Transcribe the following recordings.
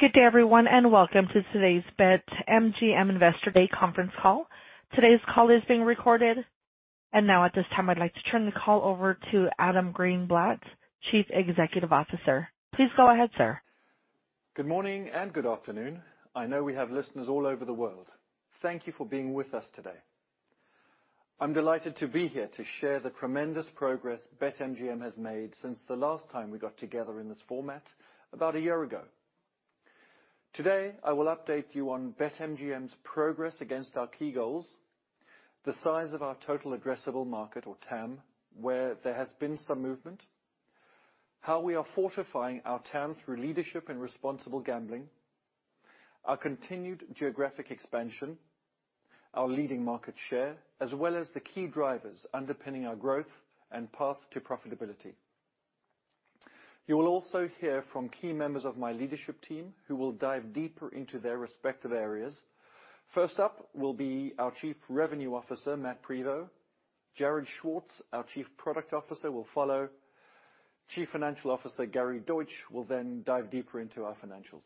Good day everyone, and welcome to today's BetMGM Investor Day conference call. Today's call is being recorded. Now at this time, I'd like to turn the call over to Adam Greenblatt, Chief Executive Officer. Please go ahead, sir. Good morning and good afternoon. I know we have listeners all over the world. Thank you for being with us today. I'm delighted to be here to share the tremendous progress BetMGM has made since the last time we got together in this format about a year ago. Today, I will update you on BetMGM's progress against our key goals, the size of our total addressable market, or TAM, where there has been some movement, how we are fortifying our TAM through leadership and responsible gambling, our continued geographic expansion, our leading market share, as well as the key drivers underpinning our growth and path to profitability. You will also hear from key members of my leadership team who will dive deeper into their respective areas. First up will be our Chief Revenue Officer, Matt Prevost. Jarrod Schwarz, our Chief Product Officer, will follow. Chief Financial Officer Gary Deutsch will then dive deeper into our financials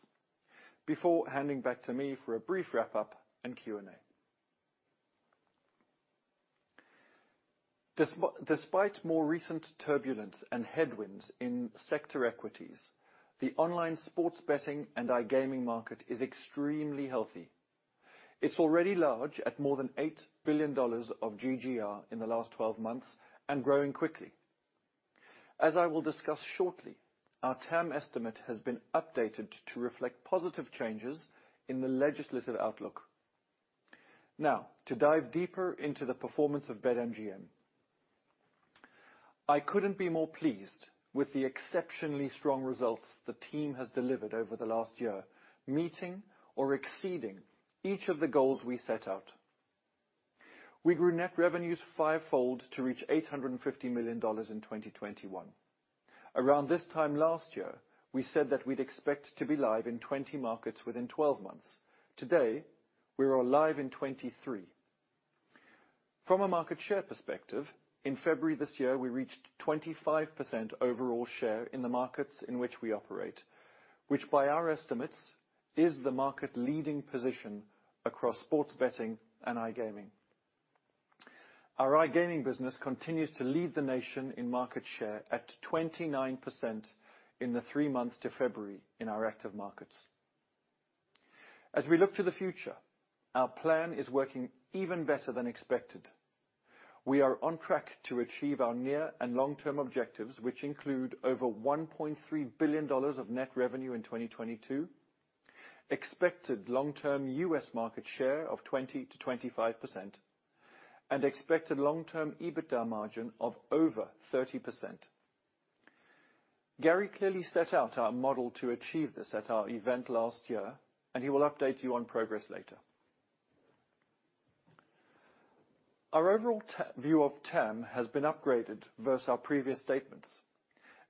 before handing back to me for a brief wrap-up and Q&A. Despite more recent turbulence and headwinds in sector equities, the online sports betting and iGaming market is extremely healthy. It's already large at more than $8 billion of GGR in the last twelve months and growing quickly. As I will discuss shortly, our TAM estimate has been updated to reflect positive changes in the legislative outlook. Now, to dive deeper into the performance of BetMGM. I couldn't be more pleased with the exceptionally strong results the team has delivered over the last year, meeting or exceeding each of the goals we set out. We grew net revenues fivefold to reach $850 million in 2021. Around this time last year, we said that we'd expect to be live in 20 markets within 12 months. Today, we are live in 23. From a market share perspective, in February this year, we reached 25% overall share in the markets in which we operate, which by our estimates, is the market-leading position across sports betting and iGaming. Our iGaming business continues to lead the nation in market share at 29% in the three months to February in our active markets. As we look to the future, our plan is working even better than expected. We are on track to achieve our near and long-term objectives, which include over $1.3 billion of net revenue in 2022, expected long-term U.S. market share of 20%-25%, and expected long-term EBITDA margin of over 30%. Gary clearly set out our model to achieve this at our event last year, and he will update you on progress later. Our overall view of TAM has been upgraded versus our previous statements.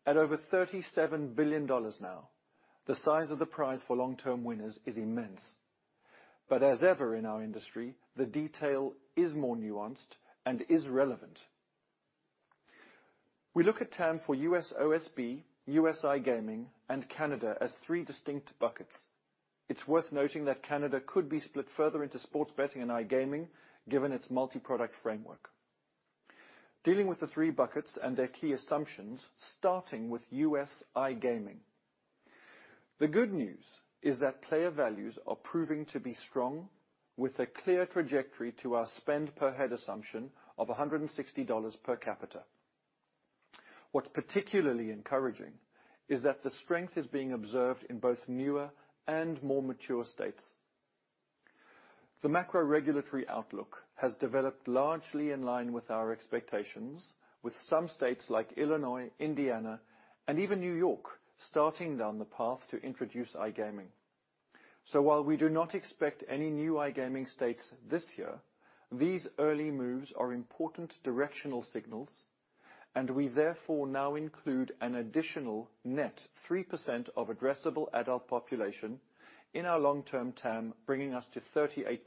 At over $37 billion now, the size of the prize for long-term winners is immense. As ever in our industry, the detail is more nuanced and is relevant. We look at TAM for U.S. OSB, U.S. iGaming, and Canada as three distinct buckets. It's worth noting that Canada could be split further into sports betting and iGaming given its multi-product framework. Dealing with the three buckets and their key assumptions, starting with U.S. iGaming. The good news is that player values are proving to be strong with a clear trajectory to our spend per head assumption of $160 per capita. What's particularly encouraging is that the strength is being observed in both newer and more mature states. The macro regulatory outlook has developed largely in line with our expectations with some states like Illinois, Indiana, and even New York starting down the path to introduce iGaming. While we do not expect any new iGaming states this year, these early moves are important directional signals, and we therefore now include an additional net 3% of addressable adult population in our long-term TAM, bringing us to 38%.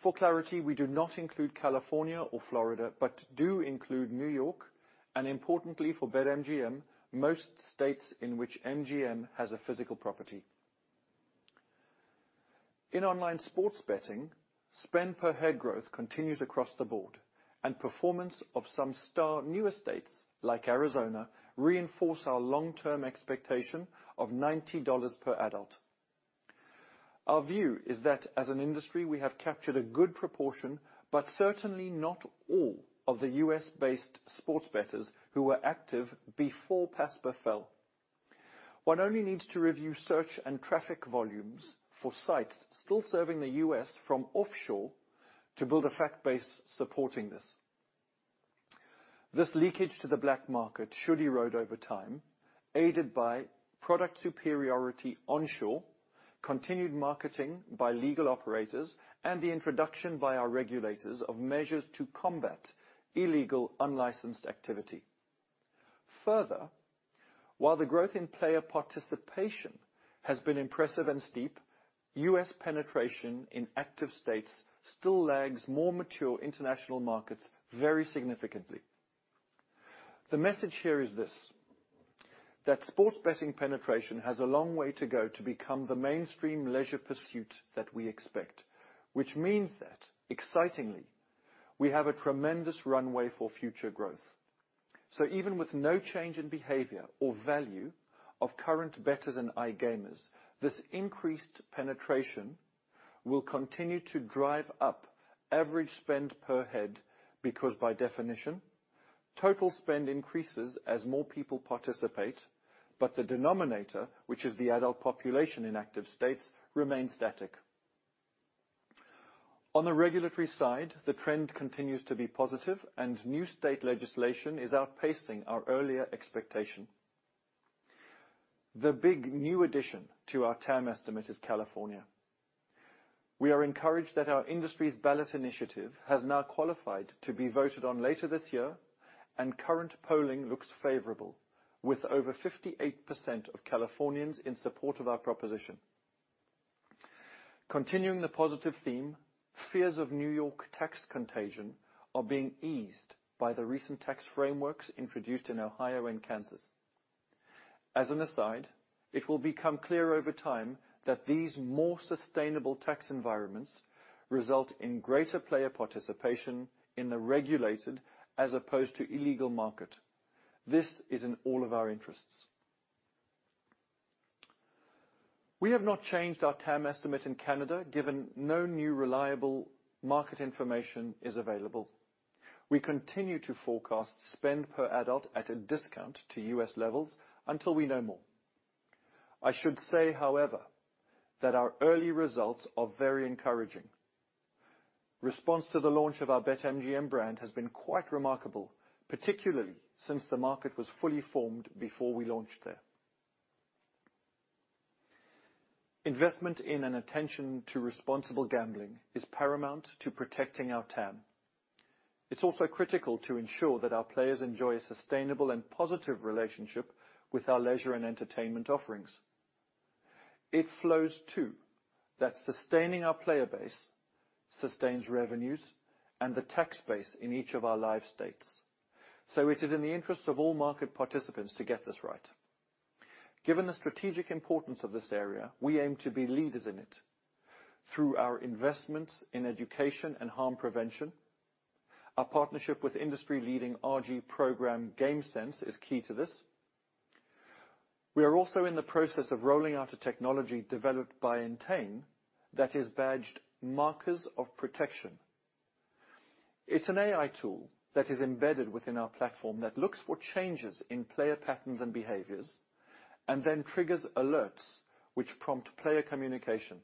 For clarity, we do not include California or Florida, but do include New York, and importantly for BetMGM, most states in which MGM has a physical property. In online sports betting, spend per head growth continues across the board, and performance of some star newer states, like Arizona, reinforce our long-term expectation of $90 per adult. Our view is that as an industry, we have captured a good proportion, but certainly not all of the U.S. based sports bettors who were active before PASPA fell. One only needs to review search and traffic volumes for sites still serving the U.S. from offshore to build a fact base supporting this. This leakage to the black market should erode over time, aided by product superiority onshore, continued marketing by legal operators, and the introduction by our regulators of measures to combat illegal, unlicensed activity. Further, while the growth in player participation has been impressive and steep. U.S. penetration in active states still lags more mature international markets very significantly. The message here is this, that sports betting penetration has a long way to go to become the mainstream leisure pursuit that we expect. Which means that excitingly, we have a tremendous runway for future growth. Even with no change in behavior or value of current bettors and iGamers, this increased penetration will continue to drive up average spend per head, because by definition, total spend increases as more people participate, but the denominator, which is the adult population in active states, remains static. On the regulatory side, the trend continues to be positive and new state legislation is outpacing our earlier expectation. The big new addition to our TAM estimate is California. We are encouraged that our industry's ballot initiative has now qualified to be voted on later this year, and current polling looks favorable, with over 58% of Californians in support of our proposition. Continuing the positive theme, fears of New York tax contagion are being eased by the recent tax frameworks introduced in Ohio and Kansas. As an aside, it will become clear over time that these more sustainable tax environments result in greater player participation in the regulated as opposed to illegal market. This is in all of our interests. We have not changed our TAM estimate in Canada, given no new reliable market information is available. We continue to forecast spend per adult at a discount to U.S. levels until we know more. I should say, however, that our early results are very encouraging. Response to the launch of our BetMGM brand has been quite remarkable, particularly since the market was fully formed before we launched there. Investment in and attention to responsible gambling is paramount to protecting our TAM. It's also critical to ensure that our players enjoy a sustainable and positive relationship with our leisure and entertainment offerings. It flows too that sustaining our player base sustains revenues and the tax base in each of our live states. It is in the interest of all market participants to get this right. Given the strategic importance of this area, we aim to be leaders in it through our investments in education and harm prevention. Our partnership with industry-leading RG program, GameSense, is key to this. We are also in the process of rolling out a technology developed by Entain that is badged Markers of Protection. It's an AI tool that is embedded within our platform that looks for changes in player patterns and behaviors, and then triggers alerts which prompt player communication.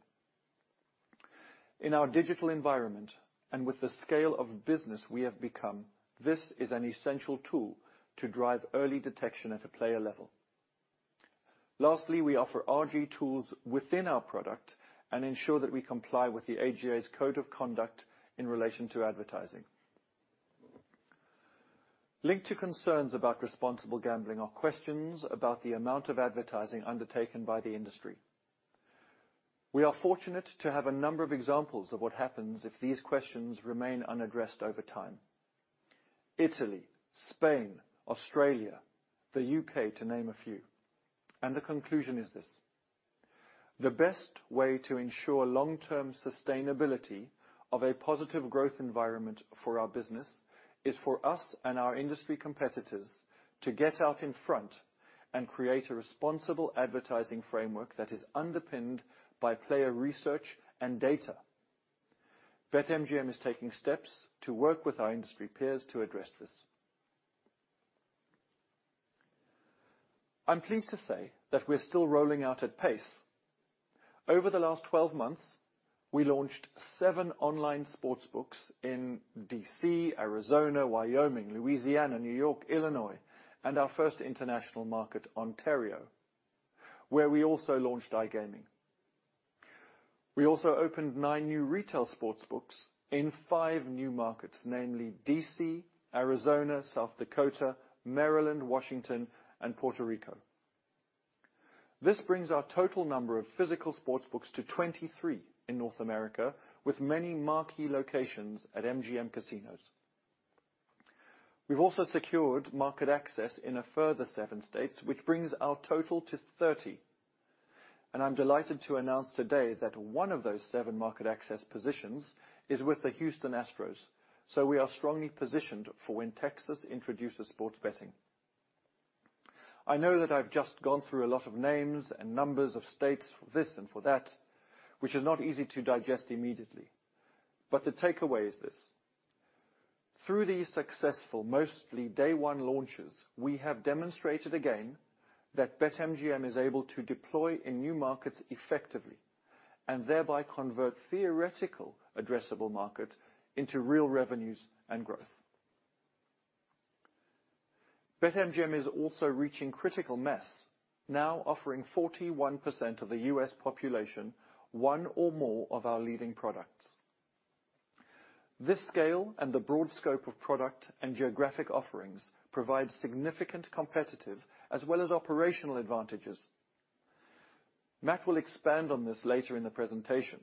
In our digital environment, and with the scale of business we have become, this is an essential tool to drive early detection at a player level. Lastly, we offer RG tools within our product and ensure that we comply with the AGA's code of conduct in relation to advertising. Linked to concerns about responsible gambling are questions about the amount of advertising undertaken by the industry. We are fortunate to have a number of examples of what happens if these questions remain unaddressed over time. Italy, Spain, Australia, the U.K., to name a few. The conclusion is this, the best way to ensure long-term sustainability of a positive growth environment for our business is for us and our industry competitors to get out in front and create a responsible advertising framework that is underpinned by player research and data. BetMGM is taking steps to work with our industry peers to address this. I'm pleased to say that we're still rolling out at pace. Over the last 12 months, we launched seven online sports books in D.C., Arizona, Wyoming, Louisiana, New York, Illinois, and our first international market, Ontario, where we also launched iGaming. We also opened nine new retail sports books in five new markets, namely D.C., Arizona, South Dakota, Maryland, Washington, and Puerto Rico. This brings our total number of physical sports books to 23 in North America, with many marquee locations at MGM Casinos. We've also secured market access in a further seven states, which brings our total to 30. I'm delighted to announce today that one of those seven market access positions is with the Houston Astros, so we are strongly positioned for when Texas introduces sports betting. I know that I've just gone through a lot of names and numbers of states for this and for that, which is not easy to digest immediately. The takeaway is this, through these successful, mostly day one launches, we have demonstrated again that BetMGM is able to deploy in new markets effectively and thereby convert theoretical addressable market into real revenues and growth. BetMGM is also reaching critical mass, now offering 41% of the U.S. population one or more of our leading products. This scale and the broad scope of product and geographic offerings provides significant competitive as well as operational advantages. Matt will expand on this later in the presentation,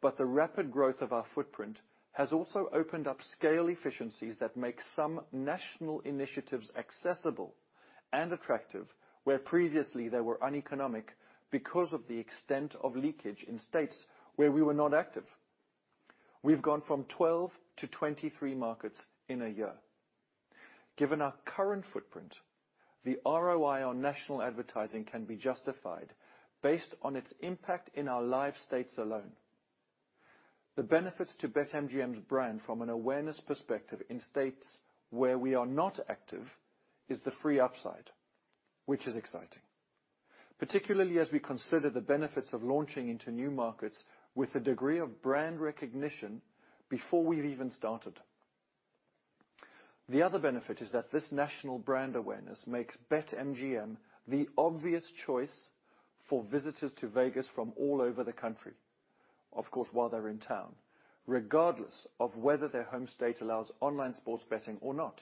but the rapid growth of our footprint has also opened up scale efficiencies that make some national initiatives accessible and attractive, where previously they were uneconomic because of the extent of leakage in states where we were not active. We've gone from 12 to 23 markets in a year. Given our current footprint, the ROI on national advertising can be justified based on its impact in our live states alone. The benefits to BetMGM's brand from an awareness perspective in states where we are not active is the free upside, which is exciting, particularly as we consider the benefits of launching into new markets with a degree of brand recognition before we've even started. The other benefit is that this national brand awareness makes BetMGM the obvious choice for visitors to Vegas from all over the country, of course, while they're in town, regardless of whether their home state allows online sports betting or not.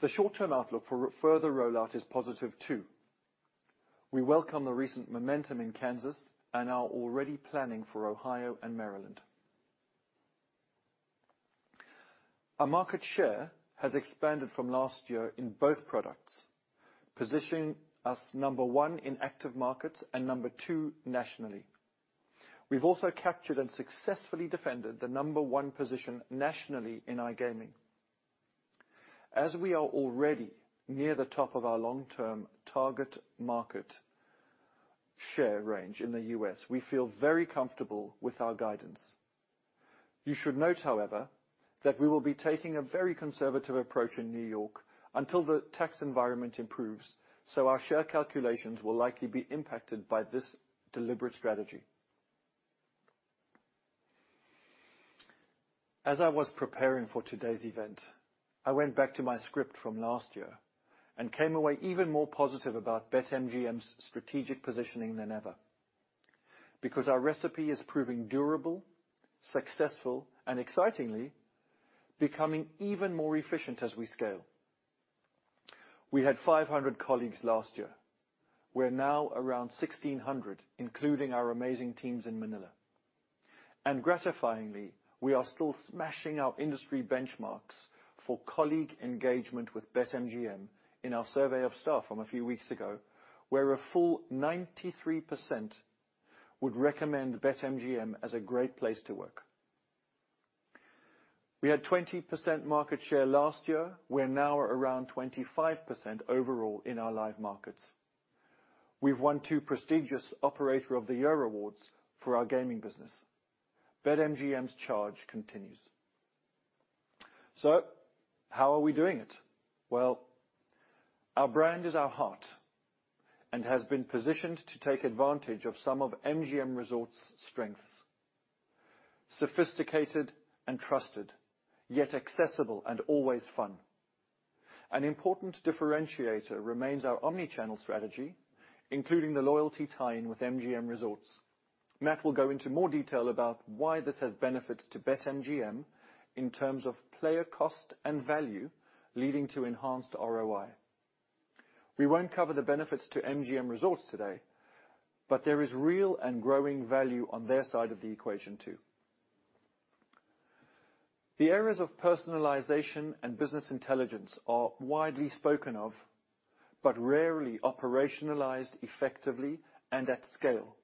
The short-term outlook for further rollout is positive too. We welcome the recent momentum in Kansas and are already planning for Ohio and Maryland. Our market share has expanded from last year in both products, positioning us number one in active markets and number two nationally. We've also captured and successfully defended the number one position nationally in iGaming. As we are already near the top of our long-term target market share range in the U.S., we feel very comfortable with our guidance. You should note, however, that we will be taking a very conservative approach in New York until the tax environment improves, so our share calculations will likely be impacted by this deliberate strategy. As I was preparing for today's event, I went back to my script from last year and came away even more positive about BetMGM's strategic positioning than ever because our recipe is proving durable, successful, and excitingly, becoming even more efficient as we scale. We had 500 colleagues last year. We're now around 1,600, including our amazing teams in Manila. Gratifyingly, we are still smashing our industry benchmarks for colleague engagement with BetMGM in our survey of staff from a few weeks ago, where a full 93% would recommend BetMGM as a great place to work. We had 20% market share last year. We're now around 25% overall in our live markets. We've won two prestigious Operator of the Year awards for our gaming business. BetMGM's charge continues. How are we doing it? Well, our brand is our heart and has been positioned to take advantage of some of MGM Resorts' strengths, sophisticated and trusted, yet accessible and always fun. An important differentiator remains our omni-channel strategy, including the loyalty tie-in with MGM Resorts. Matt will go into more detail about why this has benefit to BetMGM in terms of player cost and value, leading to enhanced ROI. We won't cover the benefits to MGM Resorts today, but there is real and growing value on their side of the equation too. The areas of personalization and business intelligence are widely spoken of, but rarely operationalized effectively and at scale.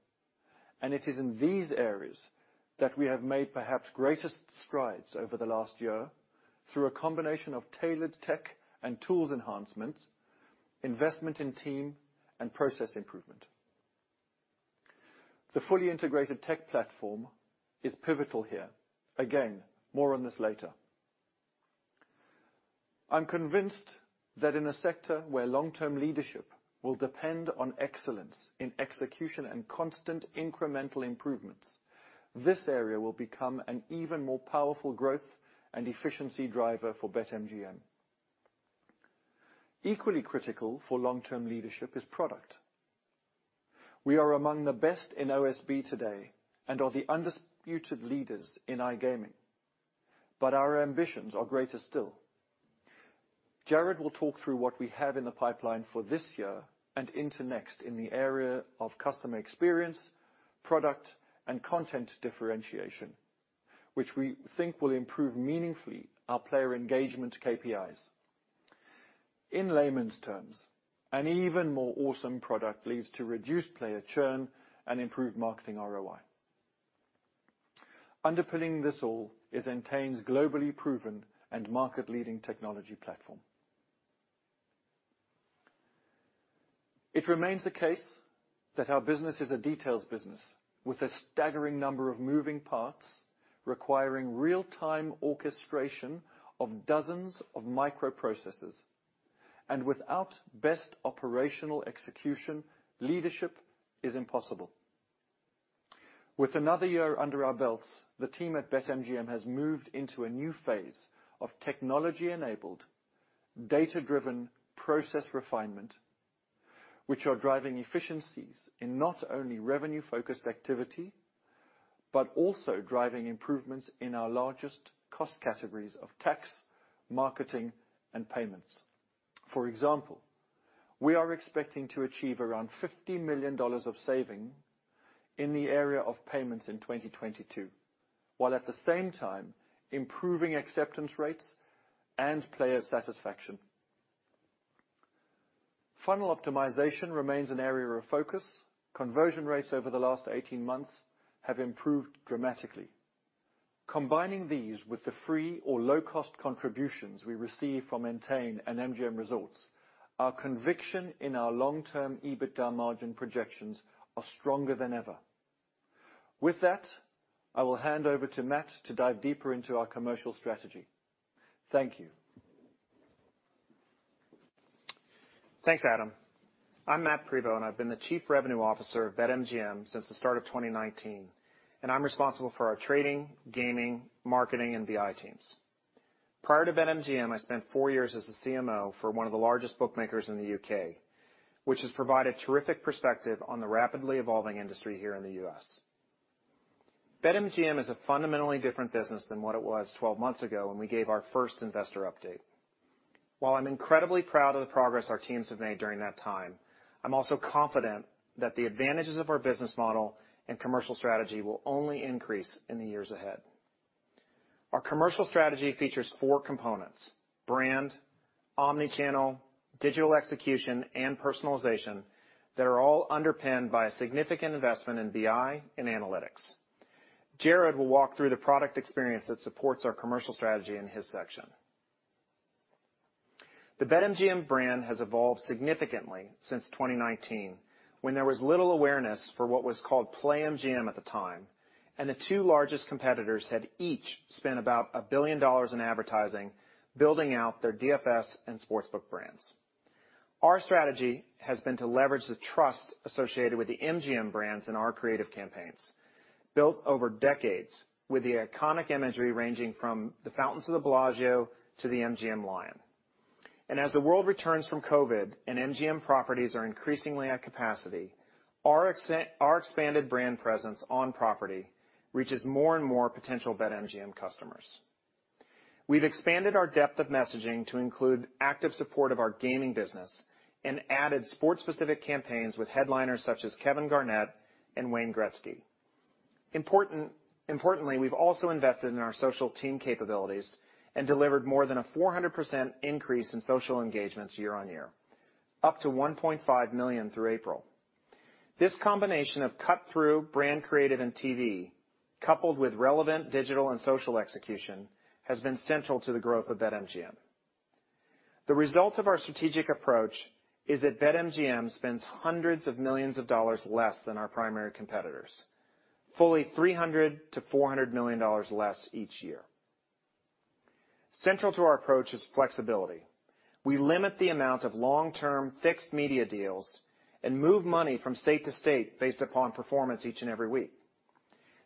It is in these areas that we have made perhaps greatest strides over the last year through a combination of tailored tech and tools enhancements, investment in team, and process improvement. The fully integrated tech platform is pivotal here. Again, more on this later. I'm convinced that in a sector where long-term leadership will depend on excellence in execution and constant incremental improvements, this area will become an even more powerful growth and efficiency driver for BetMGM. Equally critical for long-term leadership is product. We are among the best in OSB today and are the undisputed leaders in iGaming, but our ambitions are greater still. Jarrod will talk through what we have in the pipeline for this year and into next in the area of customer experience, product, and content differentiation, which we think will improve meaningfully our player engagement KPIs. In layman's terms, an even more awesome product leads to reduced player churn and improved marketing ROI. Underpinning this all is Entain's globally proven and market-leading technology platform. It remains the case that our business is a details business with a staggering number of moving parts requiring real-time orchestration of dozens of microprocesses. Without best operational execution, leadership is impossible. With another year under our belts, the team at BetMGM has moved into a new phase of technology-enabled, data-driven process refinement, which are driving efficiencies in not only revenue-focused activity, but also driving improvements in our largest cost categories of tax, marketing, and payments. For example, we are expecting to achieve around $50 million of saving in the area of payments in 2022, while at the same time, improving acceptance rates and player satisfaction. Funnel optimization remains an area of focus. Conversion rates over the last 18 months have improved dramatically. Combining these with the free or low-cost contributions we receive from Entain and MGM Resorts, our conviction in our long-term EBITDA margin projections are stronger than ever. With that, I will hand over to Matt to dive deeper into our commercial strategy. Thank you. Thanks, Adam. I'm Matt Prevost, and I've been the Chief Revenue Officer of BetMGM since the start of 2019, and I'm responsible for our trading, gaming, marketing, and BI teams. Prior to BetMGM, I spent four years as the CMO for one of the largest bookmakers in the U.K., which has provided terrific perspective on the rapidly evolving industry here in the U.S. BetMGM is a fundamentally different business than what it was 12 months ago when we gave our first investor update. While I'm incredibly proud of the progress our teams have made during that time, I'm also confident that the advantages of our business model and commercial strategy will only increase in the years ahead. Our commercial strategy features four components, brand, omni-channel, digital execution, and personalization that are all underpinned by a significant investment in BI and analytics. Jarrod will walk through the product experience that supports our commercial strategy in his section. The BetMGM brand has evolved significantly since 2019, when there was little awareness for what was called PlayMGM at the time, and the two largest competitors had each spent about $1 billion in advertising, building out their DFS and sports book brands. Our strategy has been to leverage the trust associated with the MGM brands in our creative campaigns, built over decades with the iconic imagery ranging from the Fountains of the Bellagio to the MGM lion. As the world returns from COVID and MGM properties are increasingly at capacity, our expanded brand presence on property reaches more and more potential BetMGM customers. We've expanded our depth of messaging to include active support of our gaming business and added sports-specific campaigns with headliners such as Kevin Garnett and Wayne Gretzky. Importantly, we've also invested in our social team capabilities and delivered more than a 400% increase in social engagements year-on-year, up to $1.5 million through April. This combination of cut-through brand creative and TV, coupled with relevant digital and social execution, has been central to the growth of BetMGM. The result of our strategic approach is that BetMGM spends hundreds of millions of dollars less than our primary competitors, fully $300 million-$400 million less each year. Central to our approach is flexibility. We limit the amount of long-term fixed media deals and move money from state to state based upon performance each and every week.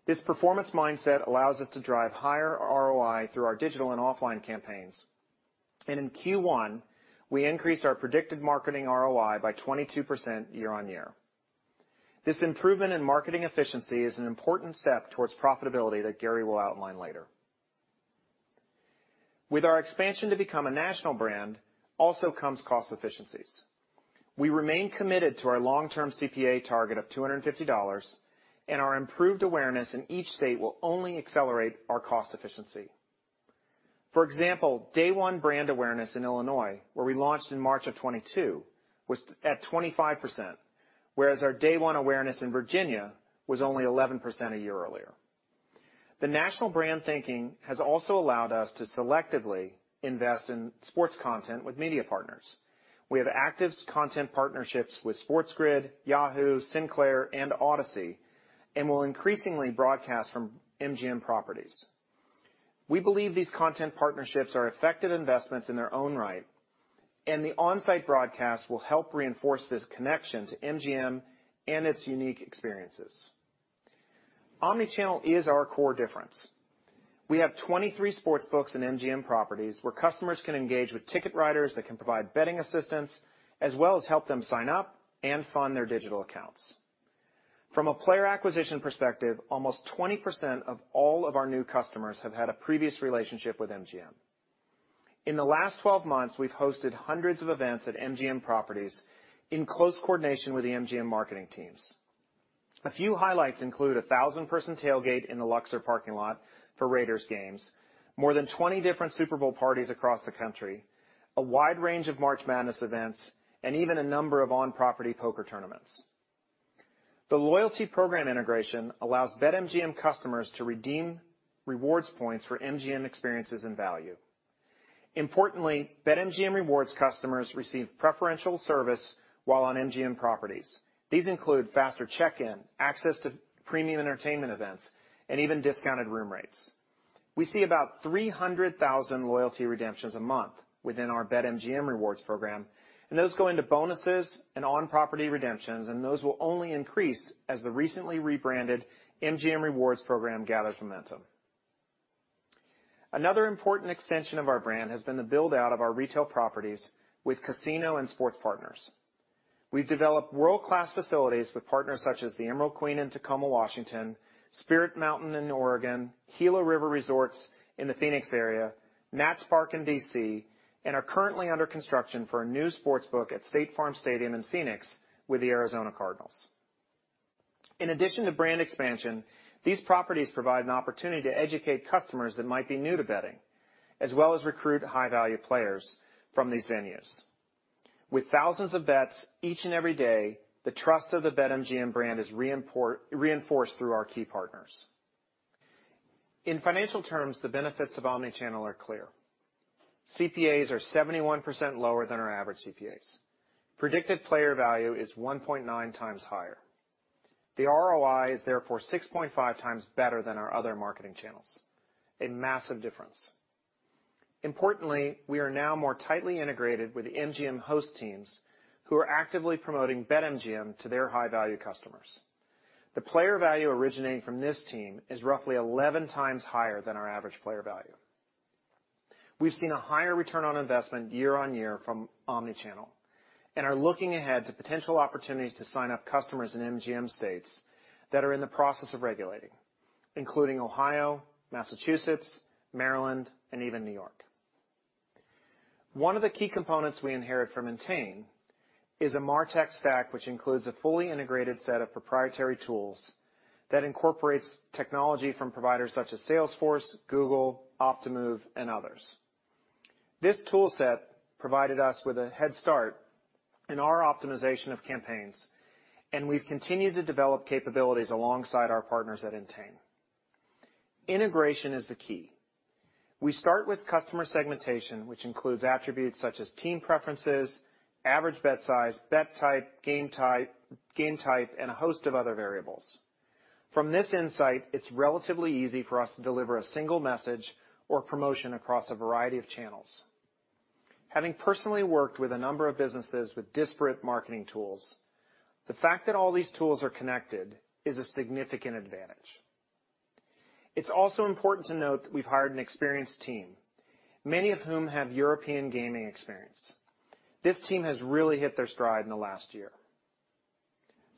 This performance mindset allows us to drive higher ROI through our digital and offline campaigns. In Q1, we increased our predicted marketing ROI by 22% year-on-year. This improvement in marketing efficiency is an important step towards profitability that Gary will outline later. With our expansion to become a national brand also comes cost efficiencies. We remain committed to our long-term CPA target of $250, and our improved awareness in each state will only accelerate our cost efficiency. For example, day one brand awareness in Illinois, where we launched in March 2022, was at 25%, whereas our day one awareness in Virginia was only 11% a year earlier. The national brand thinking has also allowed us to selectively invest in sports content with media partners. We have active content partnerships with SportsGrid, Yahoo, Sinclair, and Audacy, and will increasingly broadcast from MGM properties. We believe these content partnerships are effective investments in their own right, and the on-site broadcast will help reinforce this connection to MGM and its unique experiences. Omni-channel is our core difference. We have 23 sports books in MGM properties where customers can engage with ticket writers that can provide betting assistance, as well as help them sign up and fund their digital accounts. From a player acquisition perspective, almost 20% of all of our new customers have had a previous relationship with MGM. In the last 12 months, we've hosted hundreds of events at MGM properties in close coordination with the MGM marketing teams. A few highlights include a 1,000 person tailgate in the Luxor parking lot for Raiders games, more than 20 different Super Bowl parties across the country, a wide range of March Madness events, and even a number of on-property poker tournaments. The loyalty program integration allows BetMGM customers to redeem rewards points for MGM experiences and value. Importantly, BetMGM Rewards customers receive preferential service while on MGM properties. These include faster check-in, access to premium entertainment events, and even discounted room rates. We see about 300,000 loyalty redemptions a month within our BetMGM Rewards program, and those go into bonuses and on-property redemptions, and those will only increase as the recently rebranded MGM Rewards program gathers momentum. Another important extension of our brand has been the build-out of our retail properties with casino and sports partners. We've developed world-class facilities with partners such as the Emerald Queen Casino in Tacoma, Washington, Spirit Mountain Casino in Oregon, Gila River Resorts in the Phoenix area, Nationals Park in D.C., and are currently under construction for a new sportsbook at State Farm Stadium in Phoenix with the Arizona Cardinals. In addition to brand expansion, these properties provide an opportunity to educate customers that might be new to betting, as well as recruit high-value players from these venues. With thousands of bets each and every day, the trust of the BetMGM brand is reinforced through our key partners. In financial terms, the benefits of omni-channel are clear. CPAs are 71% lower than our average CPAs. Predicted player value is 1.9x higher. The ROI is therefore 6.5x better than our other marketing channels. A massive difference. Importantly, we are now more tightly integrated with the MGM host teams who are actively promoting BetMGM to their high-value customers. The player value originating from this team is roughly 11x higher than our average player value. We've seen a higher return on investment year-on-year from omni-channel, and are looking ahead to potential opportunities to sign up customers in MGM states that are in the process of regulating, including Ohio, Massachusetts, Maryland, and even New York. One of the key components we inherit from Entain is a MarTech stack, which includes a fully integrated set of proprietary tools that incorporates technology from providers such as Salesforce, Google, Optimove, and others. This toolset provided us with a head start in our optimization of campaigns, and we've continued to develop capabilities alongside our partners at Entain. Integration is the key. We start with customer segmentation, which includes attributes such as team preferences, average bet size, bet type, game type, and a host of other variables. From this insight, it's relatively easy for us to deliver a single message or promotion across a variety of channels. Having personally worked with a number of businesses with disparate marketing tools, the fact that all these tools are connected is a significant advantage. It's also important to note that we've hired an experienced team, many of whom have European gaming experience. This team has really hit their stride in the last year.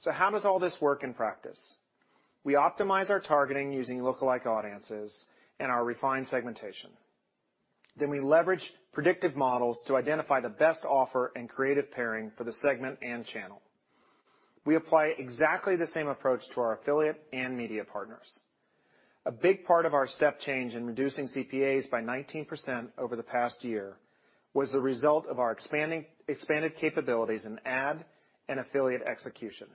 How does all this work in practice? We optimize our targeting using lookalike audiences and our refined segmentation. We leverage predictive models to identify the best offer and creative pairing for the segment and channel. We apply exactly the same approach to our affiliate and media partners. A big part of our step change in reducing CPAs by 19% over the past year was the result of our expanded capabilities in ad and affiliate execution.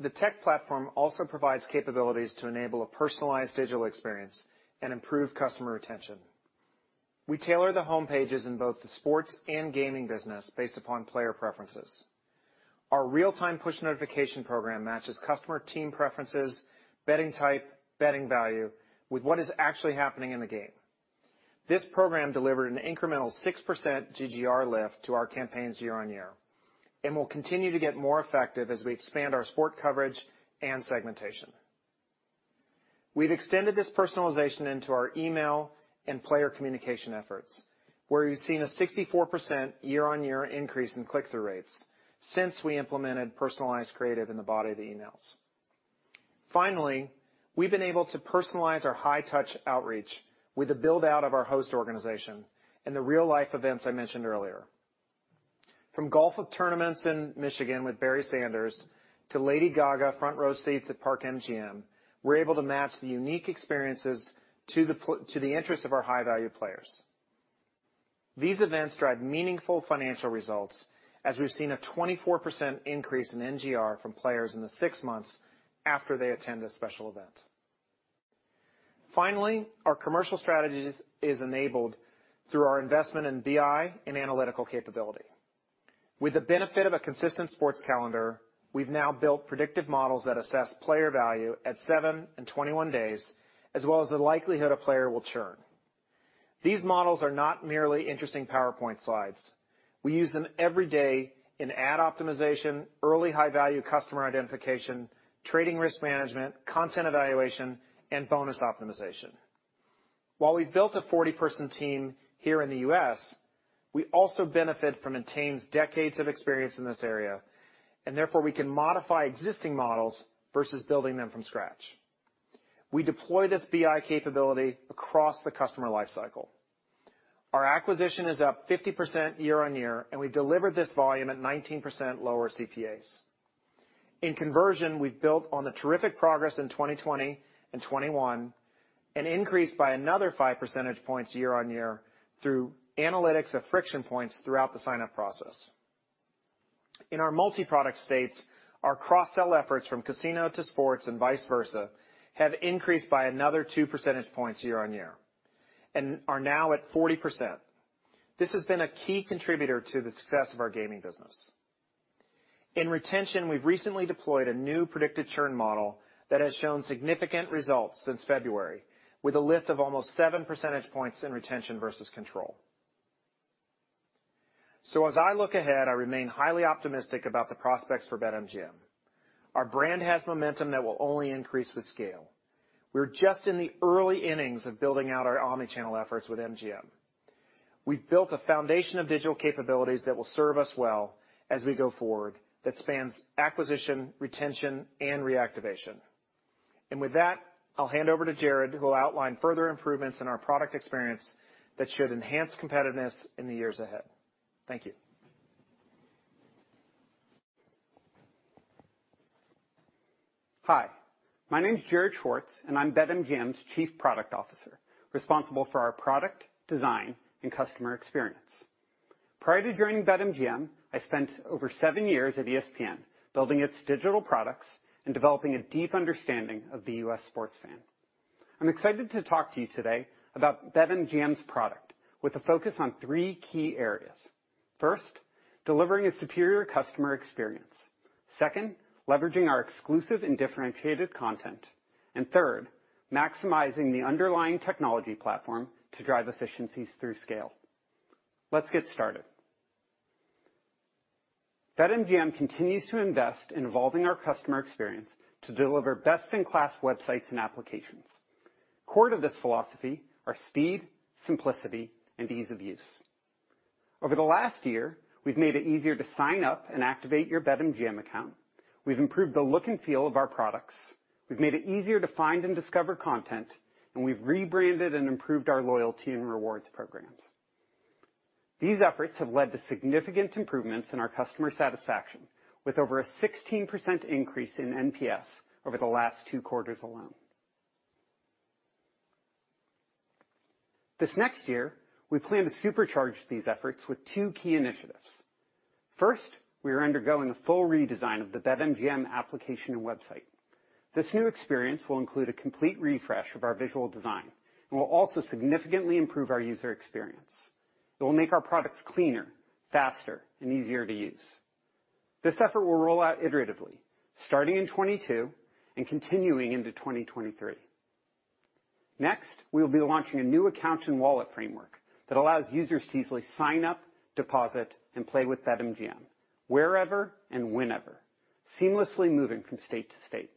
The tech platform also provides capabilities to enable a personalized digital experience and improve customer retention. We tailor the home pages in both the sports and gaming business based upon player preferences. Our real-time push notification program matches customer team preferences, betting type, betting value with what is actually happening in the game. This program delivered an incremental 6% GGR lift to our campaigns year-on-year and will continue to get more effective as we expand our sports coverage and segmentation. We've extended this personalization into our email and player communication efforts, where we've seen a 64% year-on-year increase in click-through rates since we implemented personalized creative in the body of the emails. Finally, we've been able to personalize our high-touch outreach with the build-out of our host organization and the real life events I mentioned earlier. From golf tournaments in Michigan with Barry Sanders to Lady Gaga front row seats at Park MGM, we're able to match the unique experiences to the interest of our high-value players. These events drive meaningful financial results as we've seen a 24% increase in NGR from players in the six months after they attend a special event. Finally, our commercial strategy is enabled through our investment in BI and analytical capability. With the benefit of a consistent sports calendar, we've now built predictive models that assess player value at seven and 21 days, as well as the likelihood a player will churn. These models are not merely interesting PowerPoint slides. We use them every day in ad optimization, early high-value customer identification, trading risk management, content evaluation, and bonus optimization. While we've built a 40 person team here in the U.S., we also benefit from Entain's decades of experience in this area, and therefore, we can modify existing models versus building them from scratch. We deploy this BI capability across the customer life cycle. Our acquisition is up 50% year-on-year, and we've delivered this volume at 19% lower CPAs. In conversion, we've built on the terrific progress in 2020 and 2021, and increased by another 5 percentage points year-on-year through analytics of friction points throughout the sign-up process. In our multi-product states, our cross-sell efforts from casino to sports and vice versa have increased by another 2 percentage points year-on-year and are now at 40%. This has been a key contributor to the success of our gaming business. In retention, we've recently deployed a new predicted churn model that has shown significant results since February with a lift of almost 7 percentage points in retention versus control. As I look ahead, I remain highly optimistic about the prospects for BetMGM. Our brand has momentum that will only increase with scale. We're just in the early innings of building out our omni-channel efforts with MGM. We've built a foundation of digital capabilities that will serve us well as we go forward that spans acquisition, retention, and reactivation. With that, I'll hand over to Jarrod, who will outline further improvements in our product experience that should enhance competitiveness in the years ahead. Thank you. Hi, my name is Jarrod Schwarz, and I'm BetMGM's Chief Product Officer, responsible for our product, design, and customer experience. Prior to joining BetMGM, I spent over seven years at ESPN building its digital products and developing a deep understanding of the U.S. sports fan. I'm excited to talk to you today about BetMGM's product with a focus on three key areas. First, delivering a superior customer experience. Second, leveraging our exclusive and differentiated content. Third, maximizing the underlying technology platform to drive efficiencies through scale. Let's get started. BetMGM continues to invest in evolving our customer experience to deliver best-in-class websites and applications. Core to this philosophy are speed, simplicity, and ease of use. Over the last year, we've made it easier to sign up and activate your BetMGM account. We've improved the look and feel of our products. We've made it easier to find and discover content, and we've rebranded and improved our loyalty and rewards programs. These efforts have led to significant improvements in our customer satisfaction, with over a 16% increase in NPS over the last two quarters alone. This next year, we plan to supercharge these efforts with two key initiatives. First, we are undergoing a full redesign of the BetMGM application and website. This new experience will include a complete refresh of our visual design and will also significantly improve our user experience. It will make our products cleaner, faster, and easier to use. This effort will roll out iteratively, starting in 2022 and continuing into 2023. Next, we'll be launching a new account and wallet framework that allows users to easily sign up, deposit, and play with BetMGM wherever and whenever, seamlessly moving from state to state.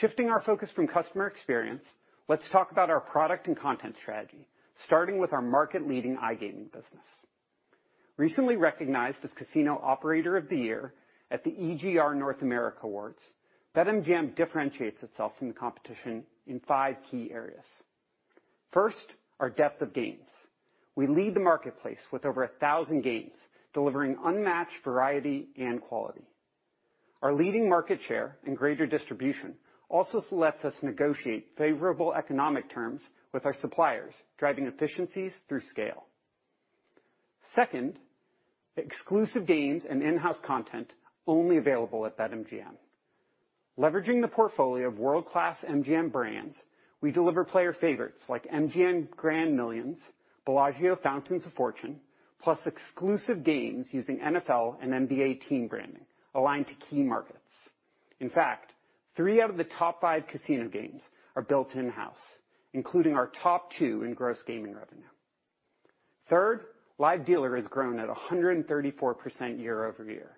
Shifting our focus from customer experience, let's talk about our product and content strategy, starting with our market-leading iGaming business. Recently recognized as Casino Operator of the Year at the EGR North America Awards, BetMGM differentiates itself from the competition in five key areas. First, our depth of games. We lead the marketplace with over 1,000 games, delivering unmatched variety and quality. Our leading market share and greater distribution also enables us to negotiate favorable economic terms with our suppliers, driving efficiencies through scale. Second, exclusive games and in-house content only available at BetMGM. Leveraging the portfolio of world-class MGM brands, we deliver player favorites like MGM Grand Millions, Bellagio Fountains of Fortune, plus exclusive games using NFL and NBA team branding aligned to key markets. In fact, three out of the top five casino games are built in-house, including our top two in gross gaming revenue. Third, live dealer has grown at 134% year-over-year,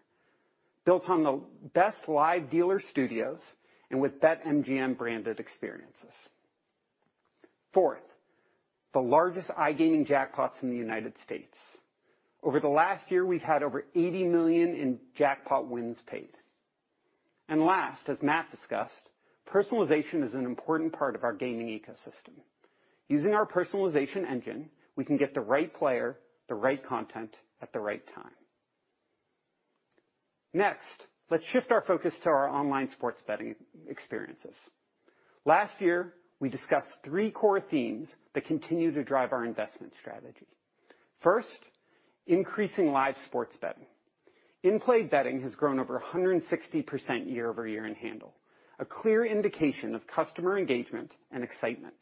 built on the best live dealer studios and with BetMGM-branded experiences. Fourth, the largest iGaming jackpots in the United States. Over the last year, we've had over $80 million in jackpot wins paid. Last, as Matt discussed, personalization is an important part of our gaming ecosystem. Using our personalization engine, we can get the right player, the right content at the right time. Next, let's shift our focus to our online sports betting experiences. Last year, we discussed three core themes that continue to drive our investment strategy. First, increasing live sports betting. In-play betting has grown over 160% year-over-year in handle, a clear indication of customer engagement and excitement.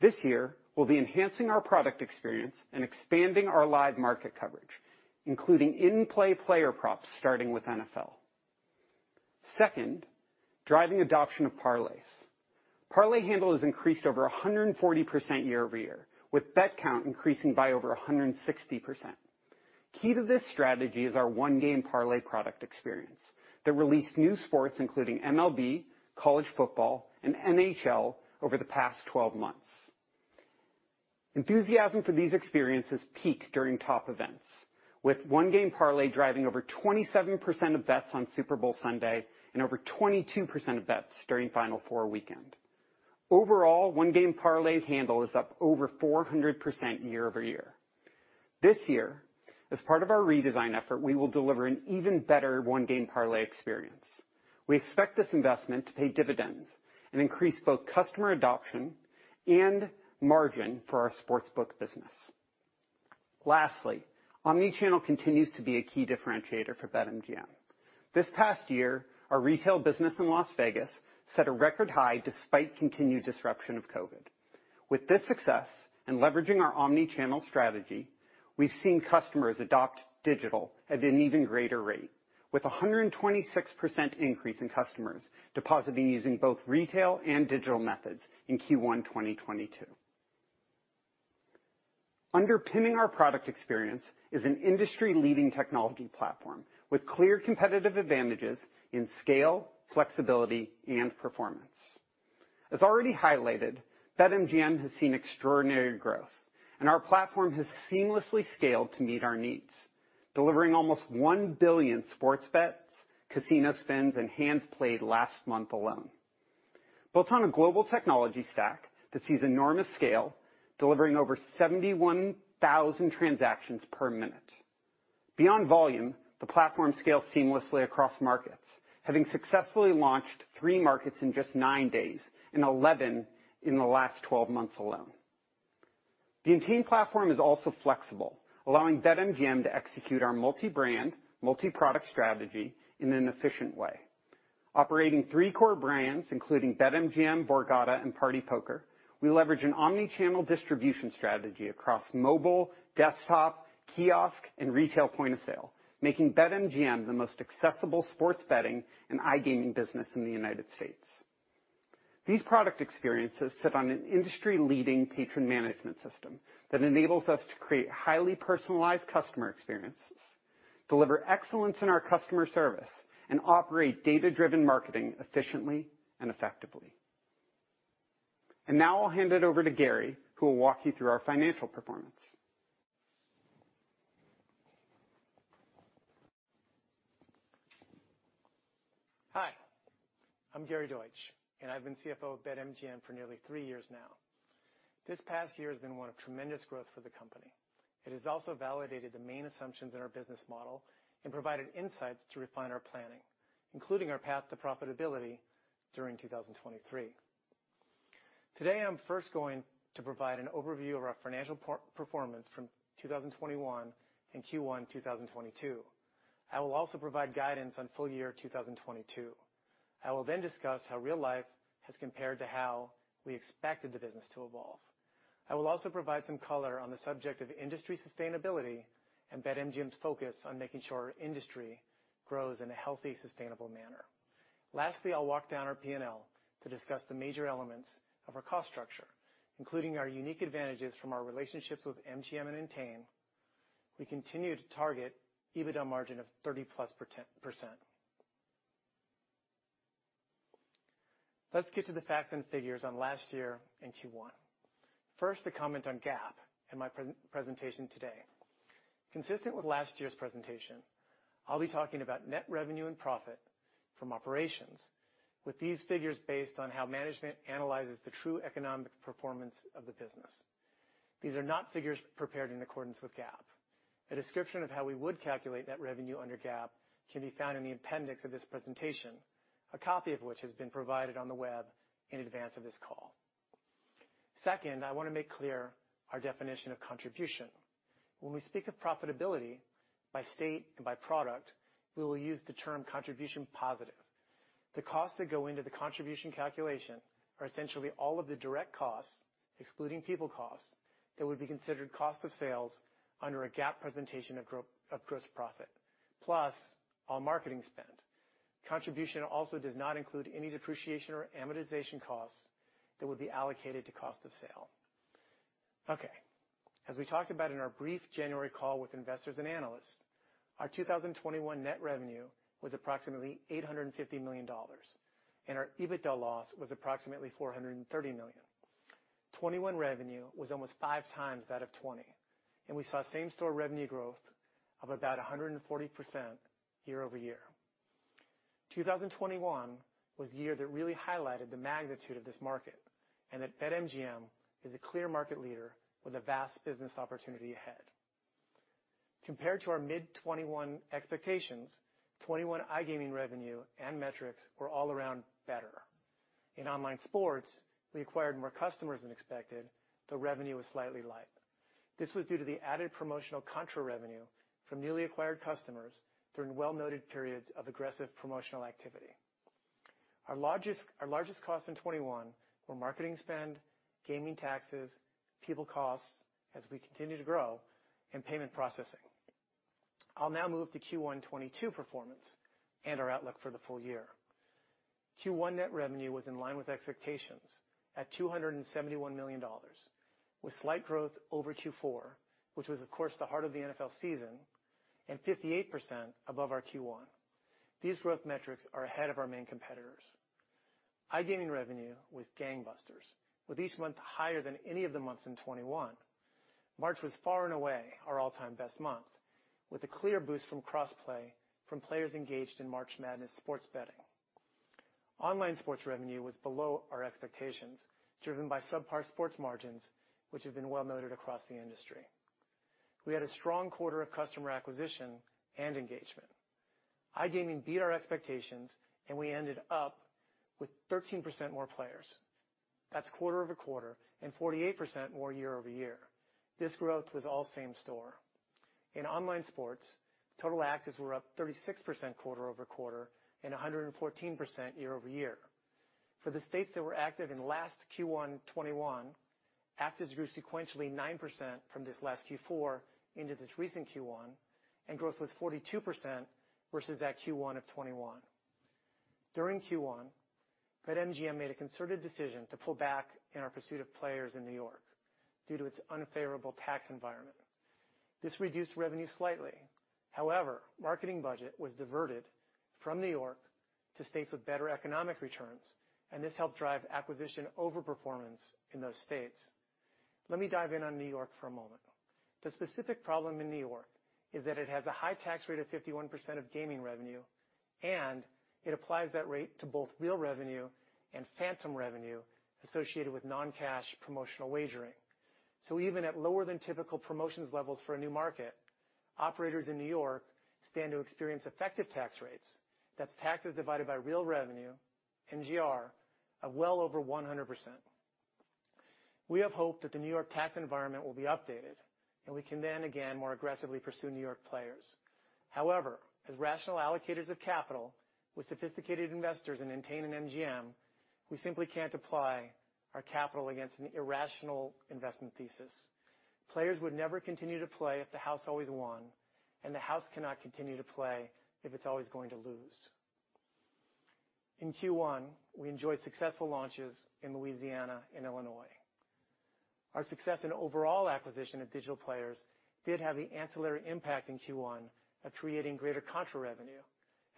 This year, we'll be enhancing our product experience and expanding our live market coverage, including in-play player props, starting with NFL. Second, driving adoption of parlays. Parlay handle has increased over 140% year-over-year, with bet count increasing by over 160%. Key to this strategy is our One Game Parlay product experience that released new sports, including MLB, college football, and NHL over the past 12 months. Enthusiasm for these experiences peak during top events, with One Game Parlay driving over 27% of bets on Super Bowl Sunday and over 22% of bets during Final Four weekend. Overall, One Game Parlay handle is up over 400% year-over-year. This year, as part of our redesign effort, we will deliver an even better One Game Parlay experience. We expect this investment to pay dividends and increase both customer adoption and margin for our sports book business. Lastly, omni-channel continues to be a key differentiator for BetMGM. This past year, our retail business in Las Vegas set a record high despite continued disruption of COVID. With this success and leveraging our omni-channel strategy, we've seen customers adopt digital at an even greater rate. With a 126% increase in customers depositing using both retail and digital methods in Q1, 2022. Underpinning our product experience is an industry-leading technology platform with clear competitive advantages in scale, flexibility, and performance. As already highlighted, BetMGM has seen extraordinary growth, and our platform has seamlessly scaled to meet our needs, delivering almost one billion sports bets, casino spins, and hands played last month alone. Built on a global technology stack that sees enormous scale, delivering over 71,000 transactions per minute. Beyond volume, the platform scales seamlessly across markets, having successfully launched three markets in just nine days and 11 in the last 12 months alone. The Entain platform is also flexible, allowing BetMGM to execute our multi-brand, multi-product strategy in an efficient way. Operating three core brands, including BetMGM, Borgata, and partypoker, we leverage an omni-channel distribution strategy across mobile, desktop, kiosk, and retail point of sale, making BetMGM the most accessible sports betting and iGaming business in the United States. These product experiences sit on an industry-leading patron management system that enables us to create highly personalized customer experiences, deliver excellence in our customer service, and operate data-driven marketing efficiently and effectively. Now I'll hand it over to Gary, who will walk you through our financial performance. Hi, I'm Gary Deutsch, and I've been CFO of BetMGM for nearly three years now. This past year has been one of tremendous growth for the company. It has also validated the main assumptions in our business model and provided insights to refine our planning, including our path to profitability during 2023. Today, I'm first going to provide an overview of our financial performance from 2021 and Q1 2022. I will also provide guidance on full year 2022. I will then discuss how real life has compared to how we expected the business to evolve. I will also provide some color on the subject of industry sustainability and BetMGM's focus on making sure our industry grows in a healthy, sustainable manner. Lastly, I'll walk down our P&L to discuss the major elements of our cost structure, including our unique advantages from our relationships with MGM and Entain. We continue to target EBITDA margin of 30%+. Let's get to the facts and figures on last year in Q1. First, to comment on GAAP and my presentation today. Consistent with last year's presentation, I'll be talking about net revenue and profit from operations with these figures based on how management analyzes the true economic performance of the business. These are not figures prepared in accordance with GAAP. A description of how we would calculate that revenue under GAAP can be found in the appendix of this presentation, a copy of which has been provided on the web in advance of this call. Second, I want to make clear our definition of contribution. When we speak of profitability by state and by product, we will use the term contribution positive. The costs that go into the contribution calculation are essentially all of the direct costs, excluding people costs, that would be considered cost of sales under a GAAP presentation of of gross profit, plus all marketing spend. Contribution also does not include any depreciation or amortization costs that would be allocated to cost of sale. Okay, as we talked about in our brief January call with investors and analysts, our 2021 net revenue was approximately $850 million, and our EBITDA loss was approximately $430 million. 2021 revenue was almost 5x that of 2020, and we saw same-store revenue growth of about 140% year-over-year. 2021 was the year that really highlighted the magnitude of this market and that BetMGM is a clear market leader with a vast business opportunity ahead. Compared to our mid-2021 expectations, 2021 iGaming revenue and metrics were all around better. In online sports, we acquired more customers than expected, though revenue was slightly light. This was due to the added promotional contra revenue from newly acquired customers during well-noted periods of aggressive promotional activity. Our largest costs in 2021 were marketing spend, gaming taxes, people costs as we continue to grow, and payment processing. I'll now move to Q1 2022 performance and our outlook for the full year. Q1 net revenue was in line with expectations at $271 million, with slight growth over Q4, which was, of course, the heart of the NFL season, and 58% above our Q1. These growth metrics are ahead of our main competitors. iGaming revenue was gangbusters, with each month higher than any of the months in 2021. March was far and away our all-time best month, with a clear boost from cross-play from players engaged in March Madness sports betting. Online sports revenue was below our expectations, driven by subpar sports margins, which have been well-noted across the industry. We had a strong quarter of customer acquisition and engagement. iGaming beat our expectations, and we ended up with 13% more players. That's quarter-over-quarter and 48% more year-over-year. This growth was all same store. In online sports, total actives were up 36% quarter-over-quarter and 114% year-over-year. For the states that were active in last Q1 2021, actives grew sequentially 9% from this last Q4 into this recent Q1, and growth was 42% versus that Q1 of 2021. During Q1, BetMGM made a concerted decision to pull back in our pursuit of players in New York due to its unfavorable tax environment. This reduced revenue slightly. However, marketing budget was diverted from New York to states with better economic returns, and this helped drive acquisition over performance in those states. Let me dive in on New York for a moment. The specific problem in New York is that it has a high tax rate of 51% of gaming revenue, and it applies that rate to both real revenue and phantom revenue associated with non-cash promotional wagering. Even at lower than typical promotions levels for a new market, operators in New York stand to experience effective tax rates. That's taxes divided by real revenue, NGR, of well over 100%. We have hoped that the New York tax environment will be updated and we can then again more aggressively pursue New York players. However, as rational allocators of capital with sophisticated investors in Entain and MGM, we simply can't apply our capital against an irrational investment thesis. Players would never continue to play if the house always won, and the house cannot continue to play if it's always going to lose. In Q1, we enjoyed successful launches in Louisiana and Illinois. Our success in overall acquisition of digital players did have the ancillary impact in Q1 of creating greater contra revenue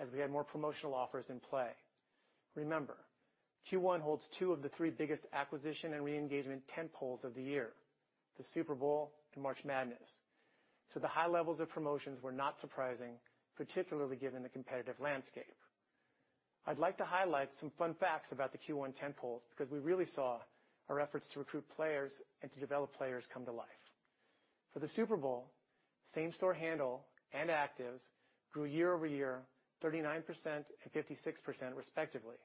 as we had more promotional offers in play. Remember, Q1 holds two of the three biggest acquisition and re-engagement tent poles of the year, the Super Bowl and March Madness. The high levels of promotions were not surprising, particularly given the competitive landscape. I'd like to highlight some fun facts about the Q1 tent poles because we really saw our efforts to recruit players and to develop players come to life. For the Super Bowl, same-store handle and actives grew year-over-year 39% and 56% respectively,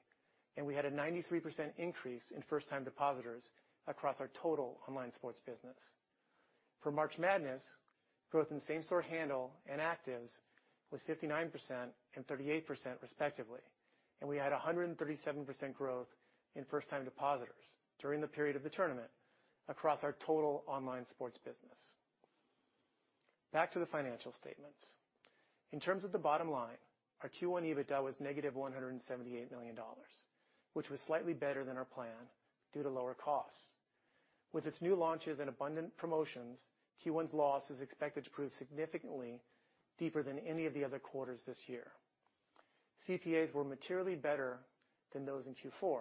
and we had a 93% increase in first-time depositors across our total online sports business. For March Madness, growth in same-store handle and actives was 59% and 38% respectively, and we had a 137% growth in first-time depositors during the period of the tournament across our total online sports business. Back to the financial statements. In terms of the bottom line, our Q1 EBITDA was -$178 million, which was slightly better than our plan due to lower costs. With its new launches and abundant promotions, Q1's loss is expected to prove significantly deeper than any of the other quarters this year. CPAs were materially better than those in Q4.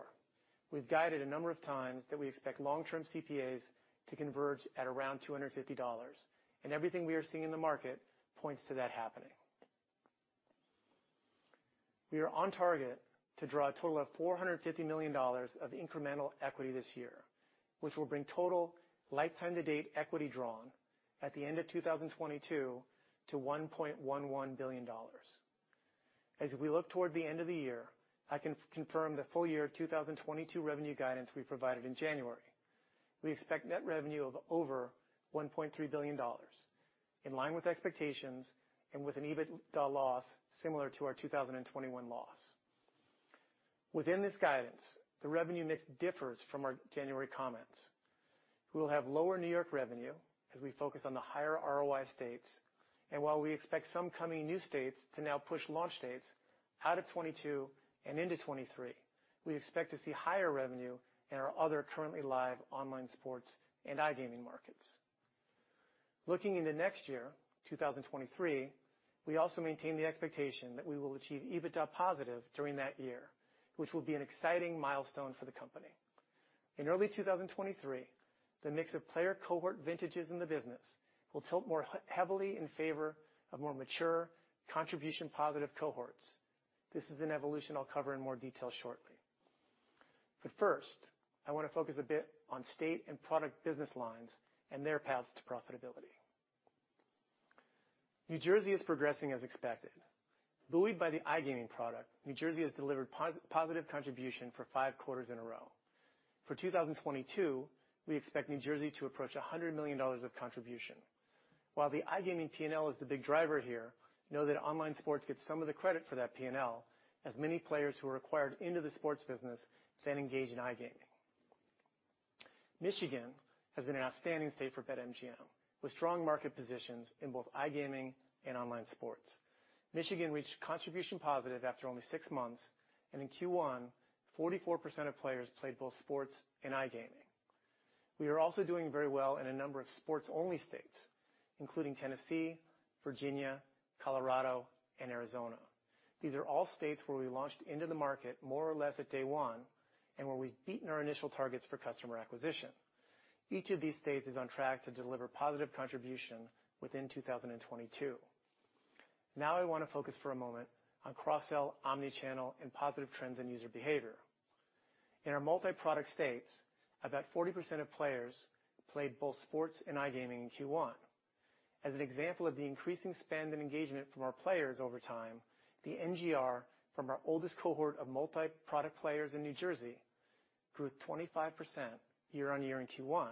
We've guided a number of times that we expect long-term CPAs to converge at around $250, and everything we are seeing in the market points to that happening. We are on target to draw a total of $450 million of incremental equity this year, which will bring total lifetime-to-date equity drawn at the end of 2022 to $1.11 billion. As we look toward the end of the year, I can confirm the full year of 2022 revenue guidance we provided in January. We expect net revenue of over $1.3 billion, in line with expectations and with an EBITDA loss similar to our 2021 loss. Within this guidance, the revenue mix differs from our January comments. We will have lower New York revenue as we focus on the higher ROI states, and while we expect some coming new states to now push launch dates out of 2022 and into 2023, we expect to see higher revenue in our other currently live online sports and iGaming markets. Looking into next year, 2023, we also maintain the expectation that we will achieve EBITDA positive during that year, which will be an exciting milestone for the company. In early 2023, the mix of player cohort vintages in the business will tilt more heavily in favor of more mature contribution positive cohorts. This is an evolution I'll cover in more detail shortly. First, I wanna focus a bit on state and product business lines and their paths to profitability. New Jersey is progressing as expected. Buoyed by the iGaming product, New Jersey has delivered positive contribution for five quarters in a row. For 2022, we expect New Jersey to approach $100 million of contribution. While the iGaming P&L is the big driver here, know that online sports gets some of the credit for that P&L, as many players who are acquired into the sports business then engage in iGaming. Michigan has been an outstanding state for BetMGM, with strong market positions in both iGaming and online sports. Michigan reached contribution positive after only six months, and in Q1, 44% of players played both sports and iGaming. We are also doing very well in a number of sports-only states, including Tennessee, Virginia, Colorado, and Arizona. These are all states where we launched into the market more or less at day one, and where we've beaten our initial targets for customer acquisition. Each of these states is on track to deliver positive contribution within 2022. Now I wanna focus for a moment on cross-sell, omni-channel, and positive trends in user behavior. In our multi-product states, about 40% of players played both sports and iGaming in Q1. As an example of the increasing spend and engagement from our players over time, the NGR from our oldest cohort of multi-product players in New Jersey grew 25% year-over-year in Q1.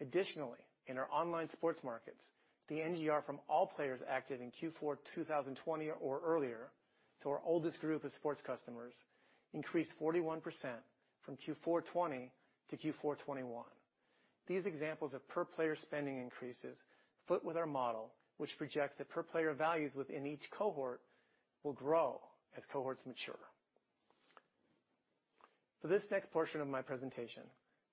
Additionally, in our online sports markets, the NGR from all players active in Q4 2020 or earlier to our oldest group of sports customers increased 41% from Q4 2020 to Q4 2021. These examples of per-player spending increases fit with our model, which projects that per-player values within each cohort will grow as cohorts mature. For this next portion of my presentation,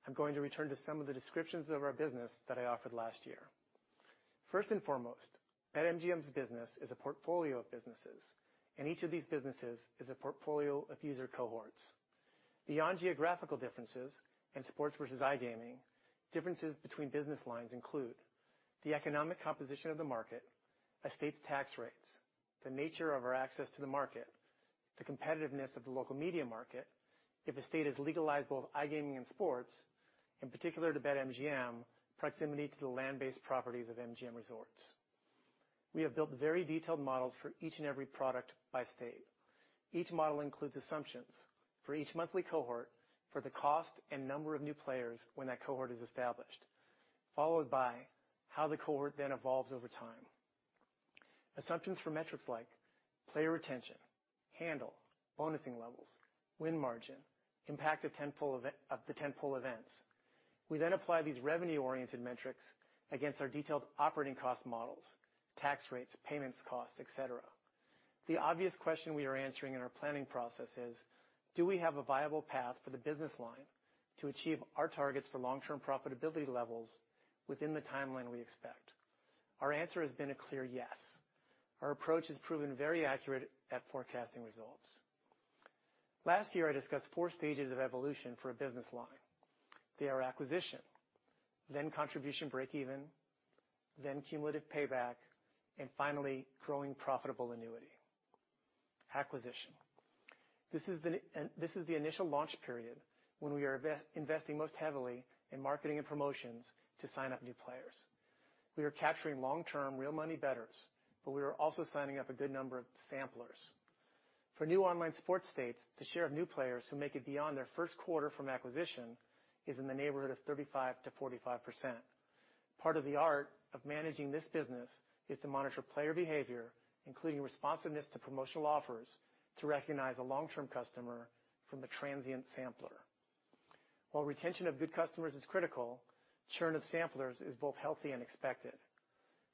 I'm going to return to some of the descriptions of our business that I offered last year. First and foremost, BetMGM's business is a portfolio of businesses, and each of these businesses is a portfolio of user cohorts. Beyond geographical differences and sports versus iGaming, differences between business lines include the economic composition of the market, a state's tax rates, the nature of our access to the market, the competitiveness of the local media market, if a state has legalized both iGaming and sports, in particular to BetMGM, proximity to the land-based properties of MGM Resorts. We have built very detailed models for each and every product by state. Each model includes assumptions for each monthly cohort for the cost and number of new players when that cohort is established, followed by how the cohort then evolves over time. Assumptions for metrics like player retention, handle, bonusing levels, win margin, impact of tentpole events. We then apply these revenue-oriented metrics against our detailed operating cost models, tax rates, payments costs, et cetera. The obvious question we are answering in our planning process is, do we have a viable path for the business line to achieve our targets for long-term profitability levels within the timeline we expect? Our answer has been a clear yes. Our approach has proven very accurate at forecasting results. Last year, I discussed four stages of evolution for a business line. They are acquisition, then contribution breakeven, then cumulative payback, and finally, growing profitable annuity. Acquisition. This is the initial launch period when we are investing most heavily in marketing and promotions to sign up new players. We are capturing long-term real money bettors, but we are also signing up a good number of samplers. For new online sports states, the share of new players who make it beyond their first quarter from acquisition is in the neighborhood of 35%-45%. Part of the art of managing this business is to monitor player behavior, including responsiveness to promotional offers, to recognize a long-term customer from the transient sampler. While retention of good customers is critical, churn of samplers is both healthy and expected.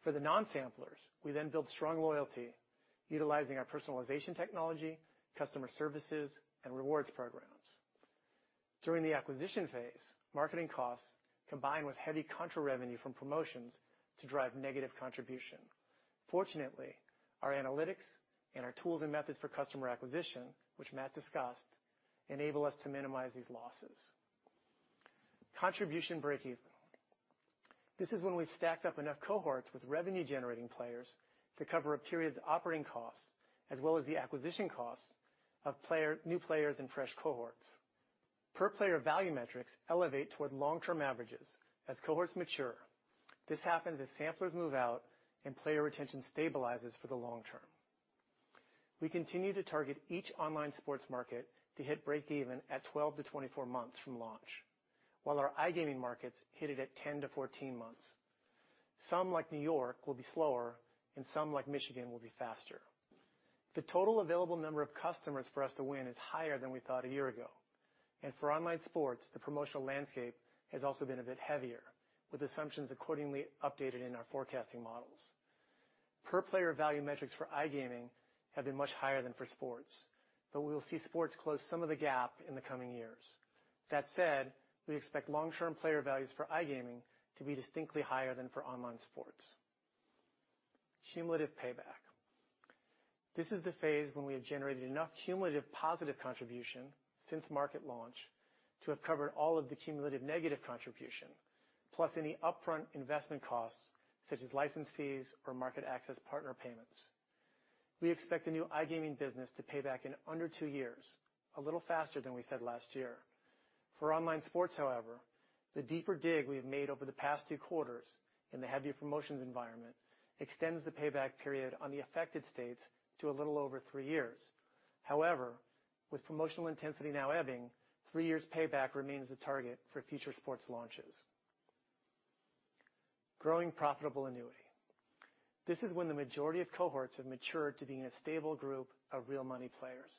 For the non-samplers, we then build strong loyalty utilizing our personalization technology, customer services, and rewards programs. During the acquisition phase, marketing costs combine with heavy contra revenue from promotions to drive negative contribution. Fortunately, our analytics and our tools and methods for customer acquisition, which Matt discussed, enable us to minimize these losses. Contribution breakeven. This is when we've stacked up enough cohorts with revenue-generating players to cover a period's operating costs as well as the acquisition costs of player, new players and fresh cohorts. Per-player value metrics elevate toward long-term averages as cohorts mature. This happens as samplers move out and player retention stabilizes for the long term. We continue to target each online sports market to hit breakeven at 12-24 months from launch, while our iGaming markets hit it at 10-14 months. Some, like New York, will be slower, and some, like Michigan, will be faster. The total available number of customers for us to win is higher than we thought a year ago. For online sports, the promotional landscape has also been a bit heavier, with assumptions accordingly updated in our forecasting models. Per-player value metrics for iGaming have been much higher than for sports, but we will see sports close some of the gap in the coming years. That said, we expect long-term player values for iGaming to be distinctly higher than for online sports. Cumulative payback. This is the phase when we have generated enough cumulative positive contribution since market launch to have covered all of the cumulative negative contribution, plus any upfront investment costs such as license fees or market access partner payments. We expect the new iGaming business to pay back in under two years, a little faster than we said last year. For online sports, however, the deeper dig we have made over the past two quarters in the heavier promotions environment extends the payback period on the affected states to a little over three years. However, with promotional intensity now ebbing, three years payback remains the target for future sports launches. Growing profitable annuity. This is when the majority of cohorts have matured to being a stable group of real money players.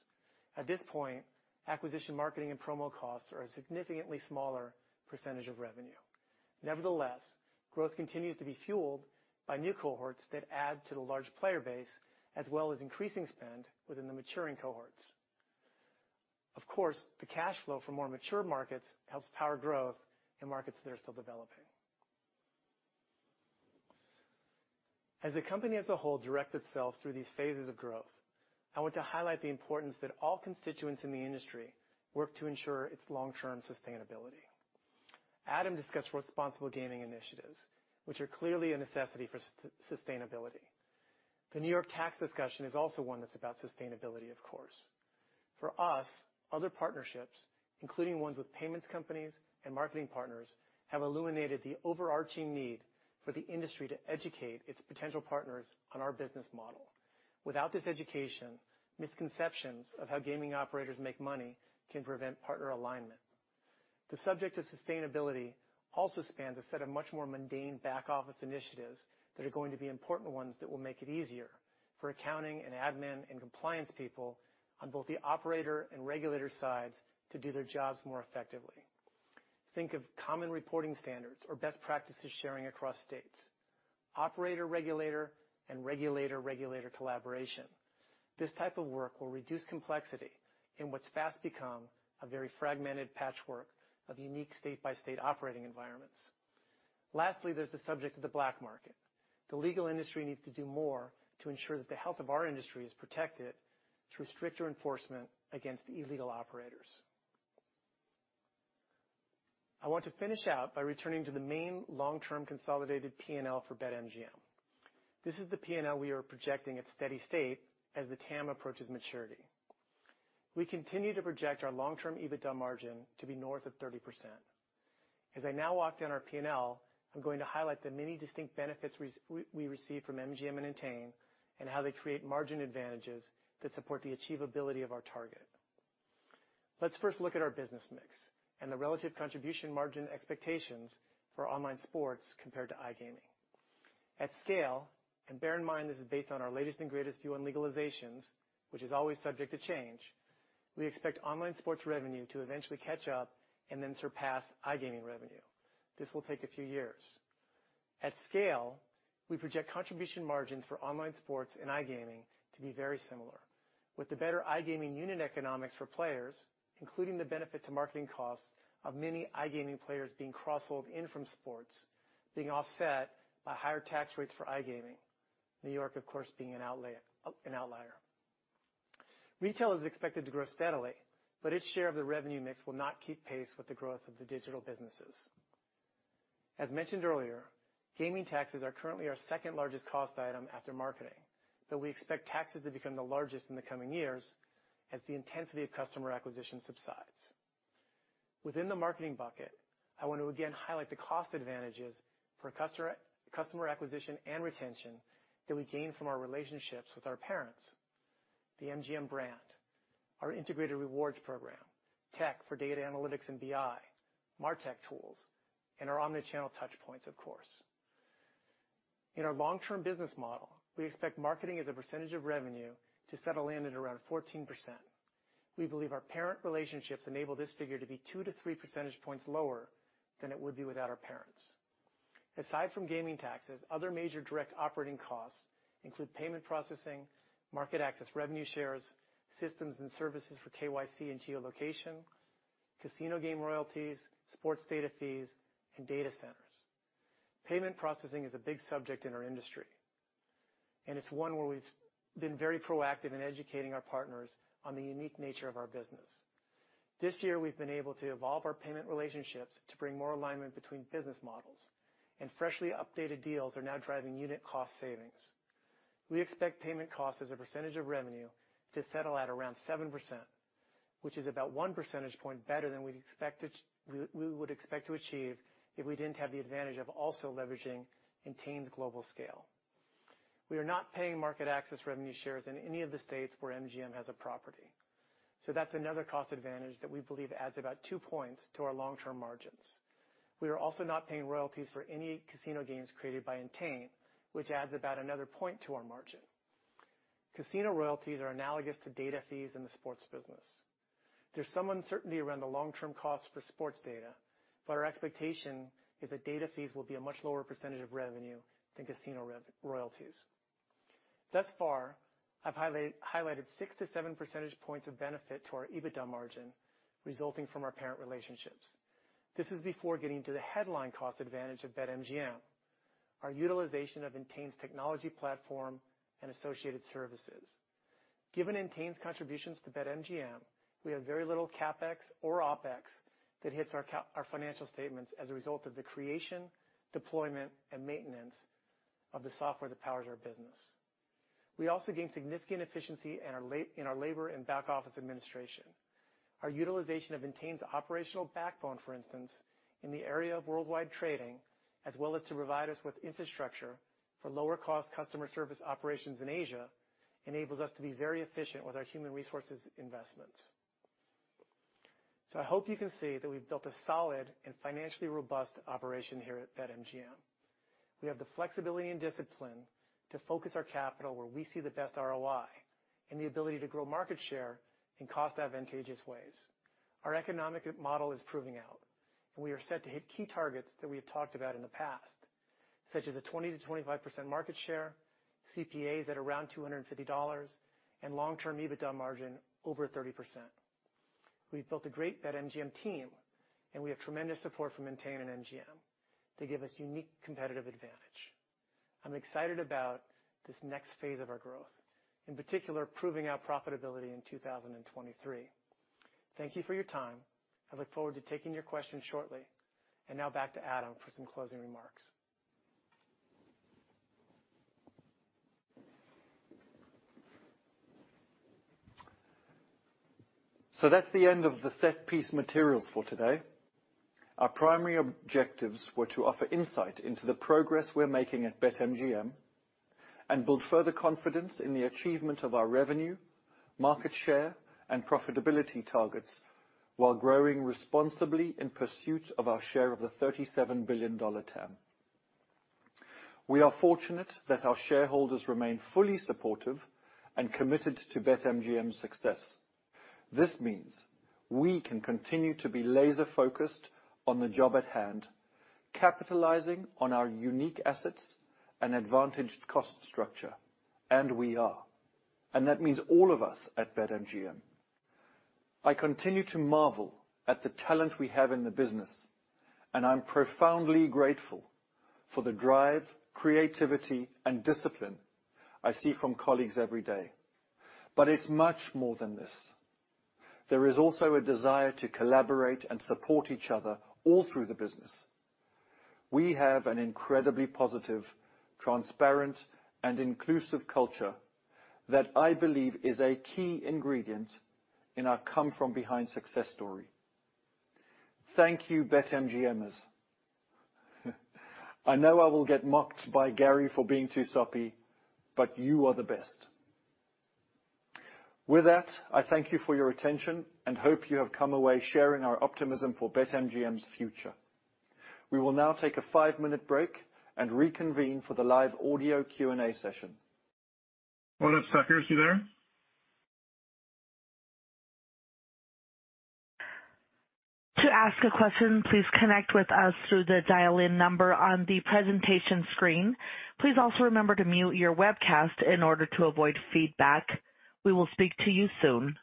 At this point, acquisition marketing and promo costs are a significantly smaller percentage of revenue. Nevertheless, growth continues to be fueled by new cohorts that add to the large player base, as well as increasing spend within the maturing cohorts. Of course, the cash flow from more mature markets helps power growth in markets that are still developing. As the company as a whole directs itself through these phases of growth, I want to highlight the importance that all constituents in the industry work to ensure its long-term sustainability. Adam discussed responsible gaming initiatives, which are clearly a necessity for sustainability. The New York tax discussion is also one that's about sustainability, of course. For us, other partnerships, including ones with payments companies and marketing partners, have illuminated the overarching need for the industry to educate its potential partners on our business model. Without this education, misconceptions of how gaming operators make money can prevent partner alignment. The subject of sustainability also spans a set of much more mundane back-office initiatives that are going to be important ones that will make it easier for accounting and admin and compliance people on both the operator and regulator sides to do their jobs more effectively. Think of common reporting standards or best practices sharing across states, operator-regulator and regulator-regulator collaboration. This type of work will reduce complexity in what's fast become a very fragmented patchwork of unique state-by-state operating environments. Lastly, there's the subject of the black market. The legal industry needs to do more to ensure that the health of our industry is protected through stricter enforcement against illegal operators. I want to finish out by returning to the main long-term consolidated P&L for BetMGM. This is the P&L we are projecting at steady state as the TAM approaches maturity. We continue to project our long-term EBITDA margin to be north of 30%. As I now walk down our P&L, I'm going to highlight the many distinct benefits we receive from MGM and Entain, and how they create margin advantages that support the achievability of our target. Let's first look at our business mix and the relative contribution margin expectations for online sports compared to iGaming. At scale, and bear in mind this is based on our latest and greatest view on legalizations, which is always subject to change, we expect online sports revenue to eventually catch up and then surpass iGaming revenue. This will take a few years. At scale, we project contribution margins for online sports and iGaming to be very similar. With the better iGaming unit economics for players, including the benefit to marketing costs of many iGaming players being cross-sold in from sports being offset by higher tax rates for iGaming, New York of course being an outlier. Retail is expected to grow steadily, but its share of the revenue mix will not keep pace with the growth of the digital businesses. As mentioned earlier, gaming taxes are currently our second-largest cost item after marketing, though we expect taxes to become the largest in the coming years as the intensity of customer acquisition subsides. Within the marketing bucket, I want to again highlight the cost advantages for customer acquisition and retention that we gain from our relationships with our parents, the MGM brand, our integrated rewards program, tech for data analytics and BI, MarTech tools, and our omni-channel touch points, of course. In our long-term business model, we expect marketing as a percentage of revenue to settle in at around 14%. We believe our parent relationships enable this figure to be 2-3 percentage points lower than it would be without our parents. Aside from gaming taxes, other major direct operating costs include payment processing, market access revenue shares, systems and services for KYC and geolocation, casino game royalties, sports data fees, and data centers. Payment processing is a big subject in our industry, and it's one where we've been very proactive in educating our partners on the unique nature of our business. This year, we've been able to evolve our payment relationships to bring more alignment between business models, and freshly updated deals are now driving unit cost savings. We expect payment costs as a percentage of revenue to settle at around 7%, which is about 1 percentage point better than we would expect to achieve if we didn't have the advantage of also leveraging Entain's global scale. We are not paying market access revenue shares in any of the states where MGM has a property. That's another cost advantage that we believe adds about two points to our long-term margins. We are also not paying royalties for any casino games created by Entain, which adds about another point to our margin. Casino royalties are analogous to data fees in the sports business. There's some uncertainty around the long-term cost for sports data, but our expectation is that data fees will be a much lower percentage of revenue than casino royalties. Thus far, I've highlighted 6-7 percentage points of benefit to our EBITDA margin resulting from our parent relationships. This is before getting to the headline cost advantage of BetMGM, our utilization of Entain's technology platform and associated services. Given Entain's contributions to BetMGM, we have very little CapEx or OpEx that hits our financial statements as a result of the creation, deployment, and maintenance of the software that powers our business. We also gain significant efficiency in our labor and back-office administration. Our utilization of Entain's operational backbone, for instance, in the area of worldwide trading, as well as to provide us with infrastructure for lower-cost customer service operations in Asia, enables us to be very efficient with our human resources investments. I hope you can see that we've built a solid and financially robust operation here at BetMGM. We have the flexibility and discipline to focus our capital where we see the best ROI and the ability to grow market share in cost advantageous ways. Our economic model is proving out, and we are set to hit key targets that we have talked about in the past, such as a 20%-25% market share, CPAs at around $250, and long-term EBITDA margin over 30%. We've built a great BetMGM team, and we have tremendous support from Entain and MGM. They give us unique competitive advantage. I'm excited about this next phase of our growth, in particular, proving our profitability in 2023. Thank you for your time. I look forward to taking your questions shortly, and now back to Adam for some closing remarks. That's the end of the set piece materials for today. Our primary objectives were to offer insight into the progress we're making at BetMGM and build further confidence in the achievement of our revenue, market share, and profitability targets while growing responsibly in pursuit of our share of the $37 billion TAM. We are fortunate that our shareholders remain fully supportive and committed to BetMGM's success. This means we can continue to be laser-focused on the job at hand, capitalizing on our unique assets and advantaged cost structure, and we are, and that means all of us at BetMGM. I continue to marvel at the talent we have in the business, and I'm profoundly grateful for the drive, creativity, and discipline I see from colleagues every day. It's much more than this. There is also a desire to collaborate and support each other all through the business. We have an incredibly positive, transparent, and inclusive culture that I believe is a key ingredient in our come from behind success story. Thank you, BetMGMers. I know I will get mocked by Gary for being too soppy, but you are the best. With that, I thank you for your attention and hope you have come away sharing our optimism for BetMGM's future. We will now take a five-minute break and reconvene for the live audio Q&A session. Operator, are you there? To ask a question, please connect with us through the dial-in number on the presentation screen. Please also remember to mute your webcast in order to avoid feedback. We will speak to you soon.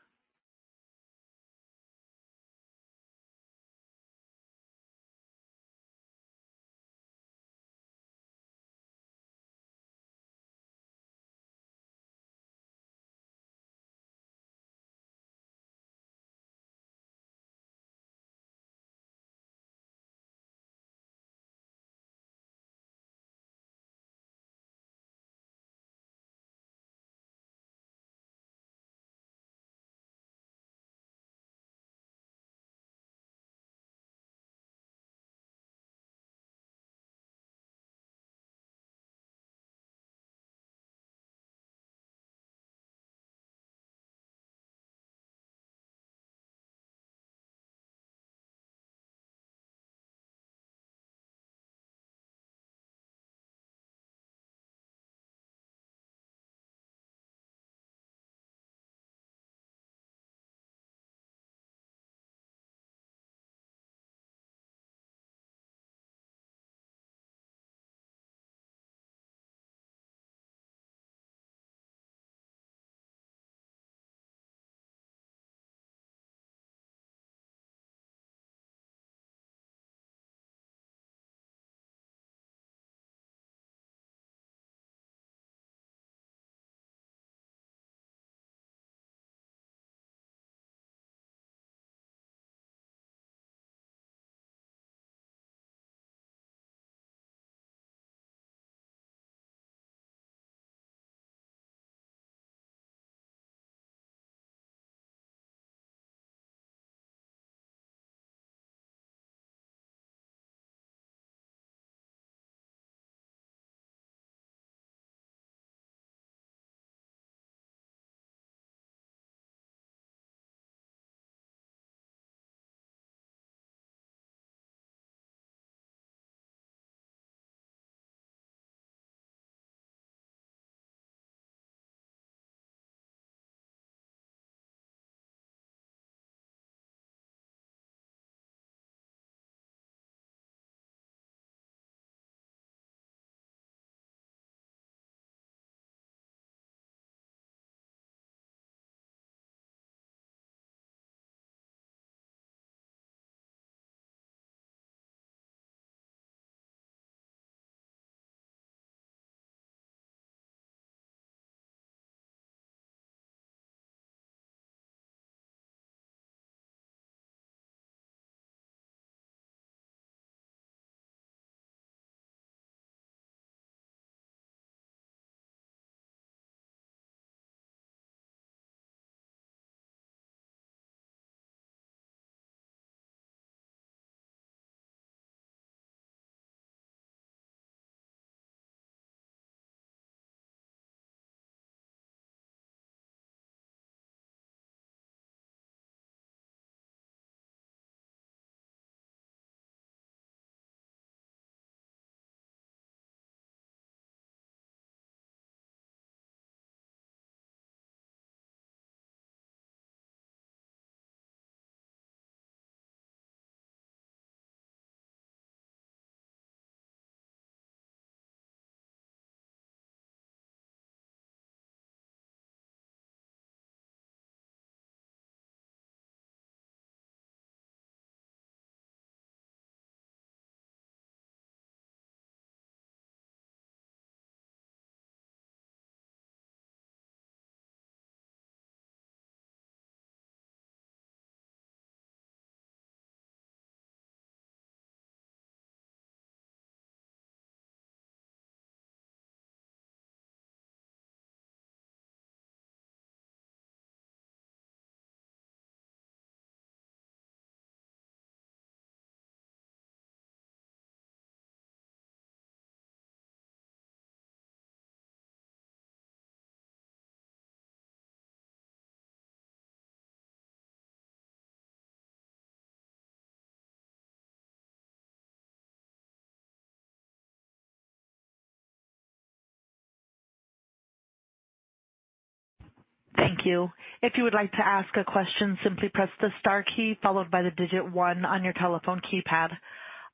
Thank you. If you would like to ask a question, simply press the star key followed by the digit one on your telephone keypad.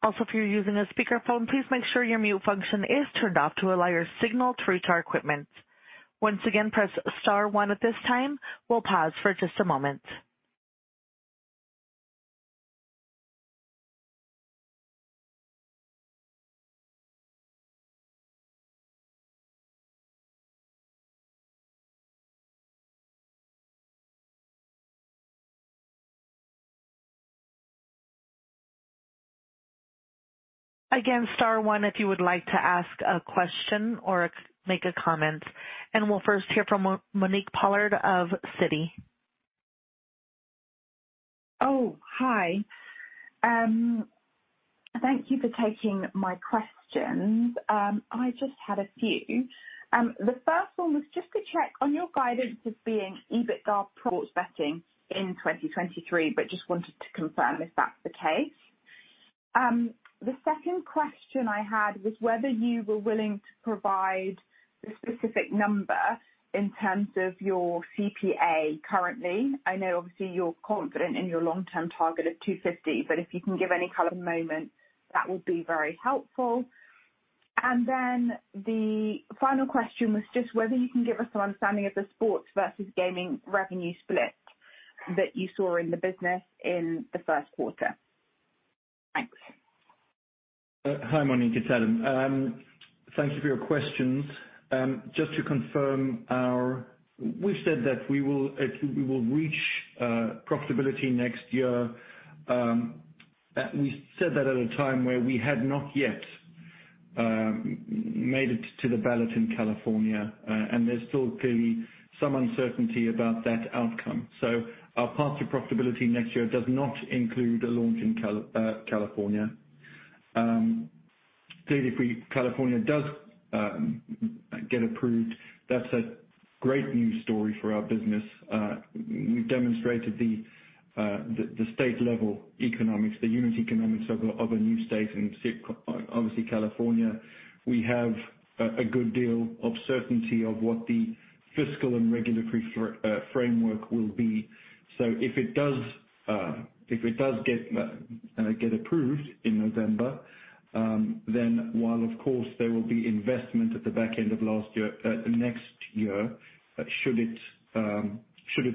Also, if you're using a speakerphone, please make sure your mute function is turned off to allow your signal to reach our equipment. Once again, press star one at this time. We'll pause for just a moment. Again, star one if you would like to ask a question or make a comment. We'll first hear from Monique Pollard of Citi. Oh, hi. Thank you for taking my questions. I just had a few. The first one was just to check on your guidance as adjusted EBITDA for sports betting in 2023, but just wanted to confirm if that's the case. The second question I had was whether you were willing to provide the specific number in terms of your CPA currently. I know obviously you're confident in your long-term target of $250, but if you can give any color at the moment, that would be very helpful. The final question was just whether you can give us an understanding of the sports versus gaming revenue split that you saw in the business in the first quarter. Thanks. Hi, Monique. It's Adam. Thank you for your questions. Just to confirm, we've said that we will reach profitability next year. We said that at a time where we had not yet made it to the ballot in California, and there's still clearly some uncertainty about that outcome. Our path to profitability next year does not include a launch in California. Clearly, if California does get approved, that's a great news story for our business. We've demonstrated the state level economics, the unit economics of a new state and obviously, California. We have a good deal of certainty of what the fiscal and regulatory framework will be. If it does get approved in November, then while of course there will be investment at the back end of next year, should it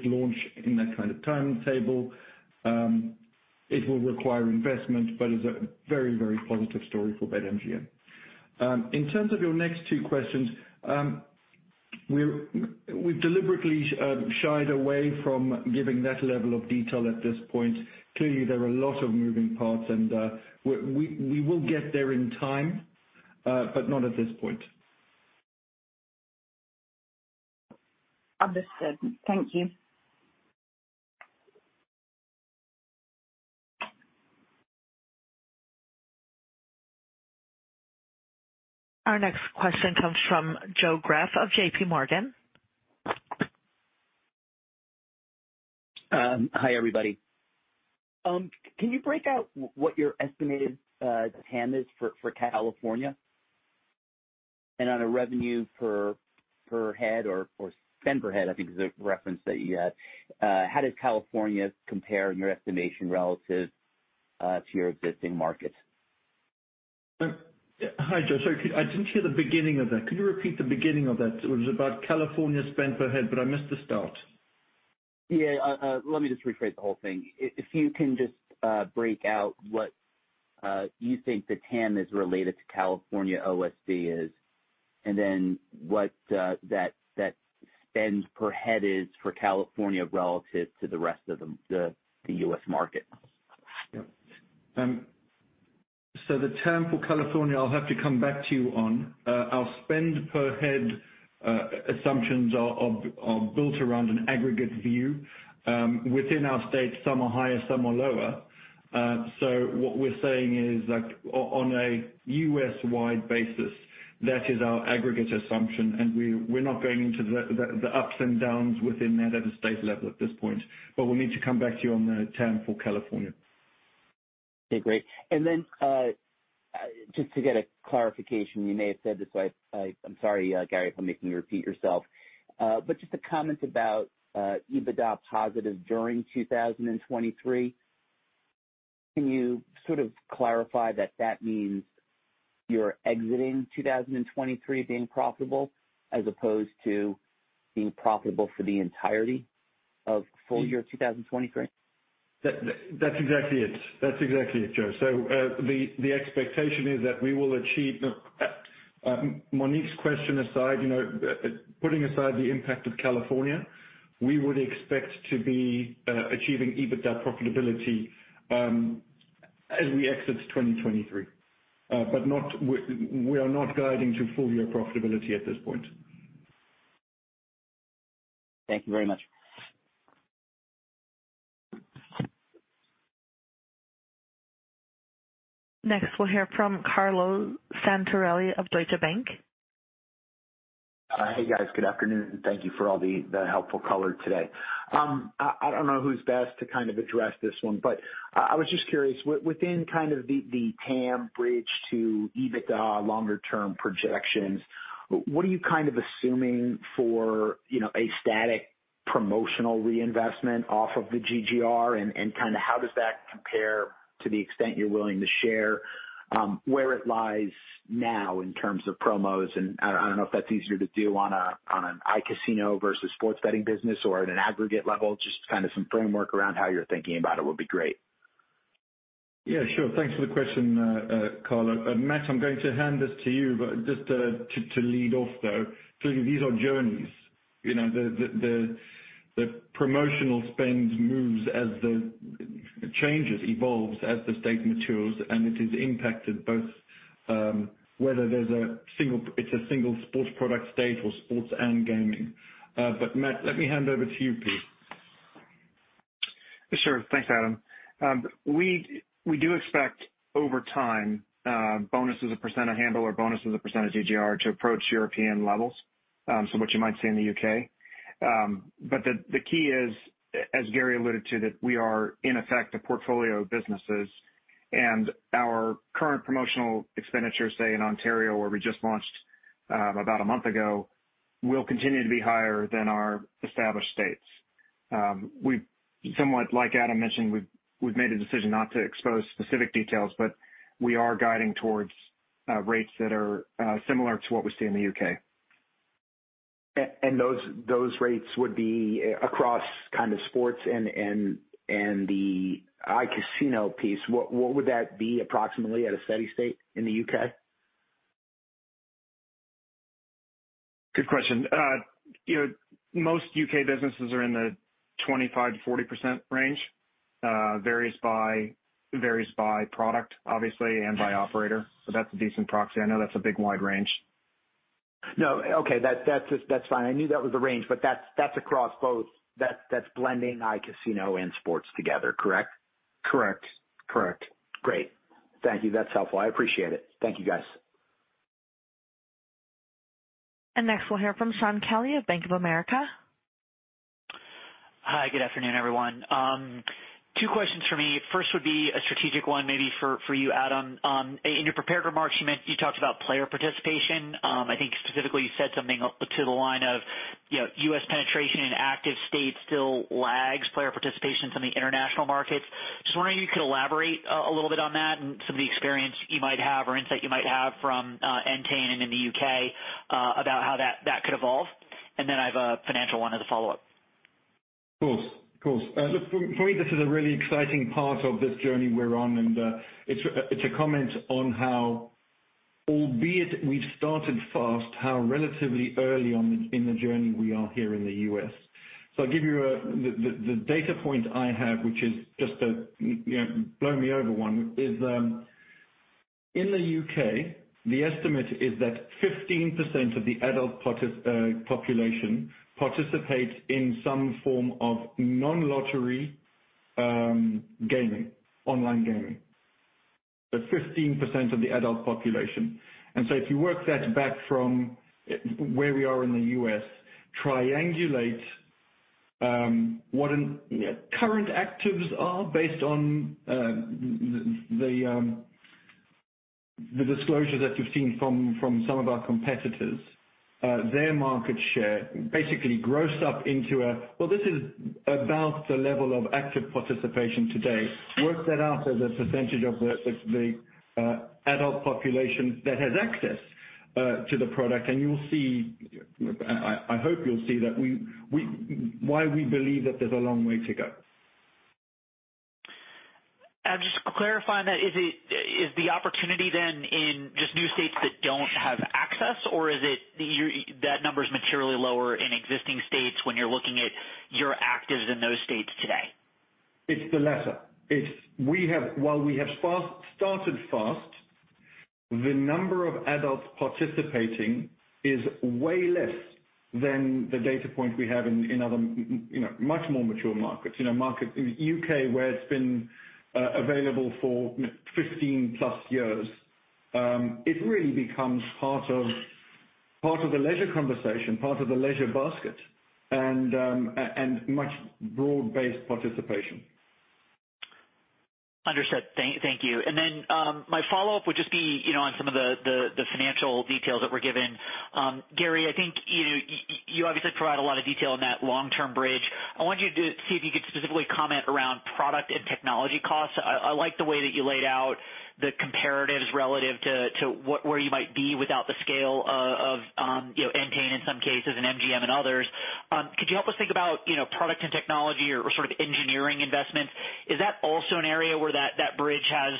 launch in that kind of timetable, it will require investment, but is a very, very positive story for BetMGM. In terms of your next two questions, we've deliberately shied away from giving that level of detail at this point. Clearly, there are a lot of moving parts and we will get there in time, but not at this point. Understood. Thank you. Our next question comes from Joe Greff of JPMorgan. Hi, everybody. Can you break out what your estimated TAM is for California? On a revenue per head or spend per head, I think is the reference that you had, how does California compare in your estimation relative to your existing markets? Hi, Joe. Sorry, I didn't hear the beginning of that. Could you repeat the beginning of that? It was about California spend per head, but I missed the start. Yeah. Let me just rephrase the whole thing. If you can just break out what you think the TAM is related to California OSB is, and then what that spend per head is for California relative to the rest of the U.S. market. Yep. The TAM for California, I'll have to come back to you on. Our spend per head assumptions are built around an aggregate view. Within our states, some are higher, some are lower. What we're saying is that on a U.S.-wide basis, that is our aggregate assumption, and we're not going into the ups and downs within that at a state level at this point. We'll need to come back to you on the TAM for California. Okay, great. Just to get a clarification, you may have said this, so I'm sorry, Gary, if I'm making you repeat yourself. Just a comment about EBITDA positive during 2023. Can you sort of clarify that that means you're exiting 2023 being profitable as opposed to being profitable for the entirety of full year 2023? That's exactly it, Joe. The expectation is that we will achieve. Monique's question aside, putting aside the impact of California, we would expect to be achieving EBITDA profitability as we exit 2023. We are not guiding to full year profitability at this point. Thank you very much. Next, we'll hear from Carlo Santarelli of Deutsche Bank. Hey, guys. Good afternoon, and thank you for all the helpful color today. I don't know who's best to kind of address this one, but I was just curious. Within kind of the TAM bridge to EBITDA longer term projections, what are you kind of assuming for, you know, a static promotional reinvestment off of the GGR and kinda how does that compare to the extent you're willing to share, where it lies now in terms of promos? I don't know if that's easier to do on an iCasino versus sports betting business or at an aggregate level. Just kind of some framework around how you're thinking about it would be great. Yeah, sure. Thanks for the question, Carlo. Matt, I'm going to hand this to you, but just to lead off, though. These are journeys. You know, the promotional spend moves as the changes evolves, as the state matures, and it is impacted both whether there's a single sports product state or sports and gaming. Matt, let me hand over to you, please. Sure. Thanks, Adam. We do expect over time bonus as a % of handle or bonus as a % of GGR to approach European levels, so what you might see in the U.K. The key is, as Gary alluded to, that we are in effect a portfolio of businesses and our current promotional expenditures, say in Ontario where we just launched about a month ago, will continue to be higher than our established states. We somewhat, like Adam mentioned, we've made a decision not to expose specific details, but we are guiding towards rates that are similar to what we see in the U.K. Those rates would be across kind of sports and the iCasino piece. What would that be approximately at a steady state in the U.K.? Good question. You know, most U.K. businesses are in the 25%-40% range, varies by product obviously and by operator, so that's a decent proxy. I know that's a big wide range. No. Okay. That's just, that's fine. I knew that was the range, but that's blending iCasino and sports together, correct? Correct. Correct. Great. Thank you. That's helpful. I appreciate it. Thank you, guys. Next we'll hear from Shaun Kelley of Bank of America. Hi. Good afternoon, everyone. Two questions from me. First would be a strategic one maybe for you, Adam. In your prepared remarks, you talked about player participation. I think specifically you said something along the lines of, you know, U.S. penetration in active states still lags player participation from the international markets. Just wondering if you could elaborate a little bit on that and some of the experience you might have or insight you might have from Entain and in the U.K. about how that could evolve. I have a financial one as a follow-up. Of course. Look, for me, this is a really exciting part of this journey we're on, and it's a comment on how, albeit we've started fast, how relatively early on in the journey we are here in the U.S. I'll give you the data point I have, which is just a you know, blow me over one, in the U.K., the estimate is that 15% of the adult population participates in some form of non-lottery gaming, online gaming. 15% of the adult population. If you work that back from where we are in the U.S., triangulate what current actives are based on the disclosures that you've seen from some of our competitors, their market share basically gross up into a... Well, this is about the level of active participation today. Work that out as a percentage of the adult population that has access to the product, and you'll see, I hope you'll see why we believe that there's a long way to go. I'm just clarifying that. Is the opportunity then in just new states that don't have access, or is it that number's materially lower in existing states when you're looking at your actives in those states today? It's the latter. While we have fast-started fast, the number of adults participating is way less than the data point we have in other, you know, much more mature markets. You know, markets, U.K., where it's been available for 15+ years. It really becomes part of the leisure conversation, part of the leisure basket and much broad-based participation. Understood. Thank you. My follow-up would just be, you know, on some of the financial details that were given. Gary, I think, you know, you obviously provide a lot of detail in that long-term bridge. I want you to see if you could specifically comment around product and technology costs. I like the way that you laid out the comparatives relative to where you might be without the scale of Entain in some cases and MGM and others. Could you help us think about product and technology or sort of engineering investments? Is that also an area where that bridge has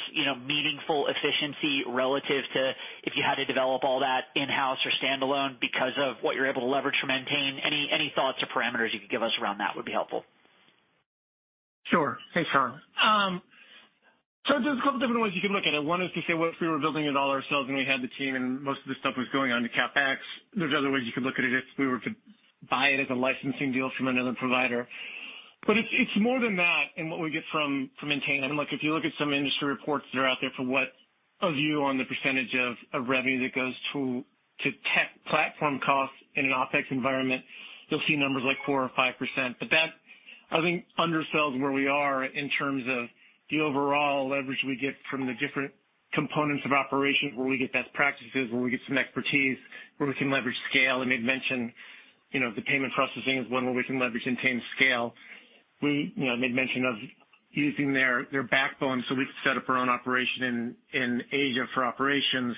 meaningful efficiency relative to if you had to develop all that in-house or standalone because of what you're able to leverage from Entain? Any thoughts or parameters you could give us around that would be helpful. Sure. Thanks, Sean. There's a couple different ways you can look at it. One is to say what if we were building it all ourselves and we had the team and most of the stuff was going on to CapEx. There's other ways you could look at it if we were to buy it as a licensing deal from another provider. It's more than that in what we get from Entain. I mean, look, if you look at some industry reports that are out there for what a view on the percentage of revenue that goes to tech platform costs in an OpEx environment, you'll see numbers like 4% or 5%. That, I think, undersells where we are in terms of the overall leverage we get from the different components of operations where we get best practices, where we get some expertise, where we can leverage scale. I made mention, you know, the payment processing is one where we can leverage Entain scale. We, you know, I made mention of using their backbone so we could set up our own operation in Asia for operations.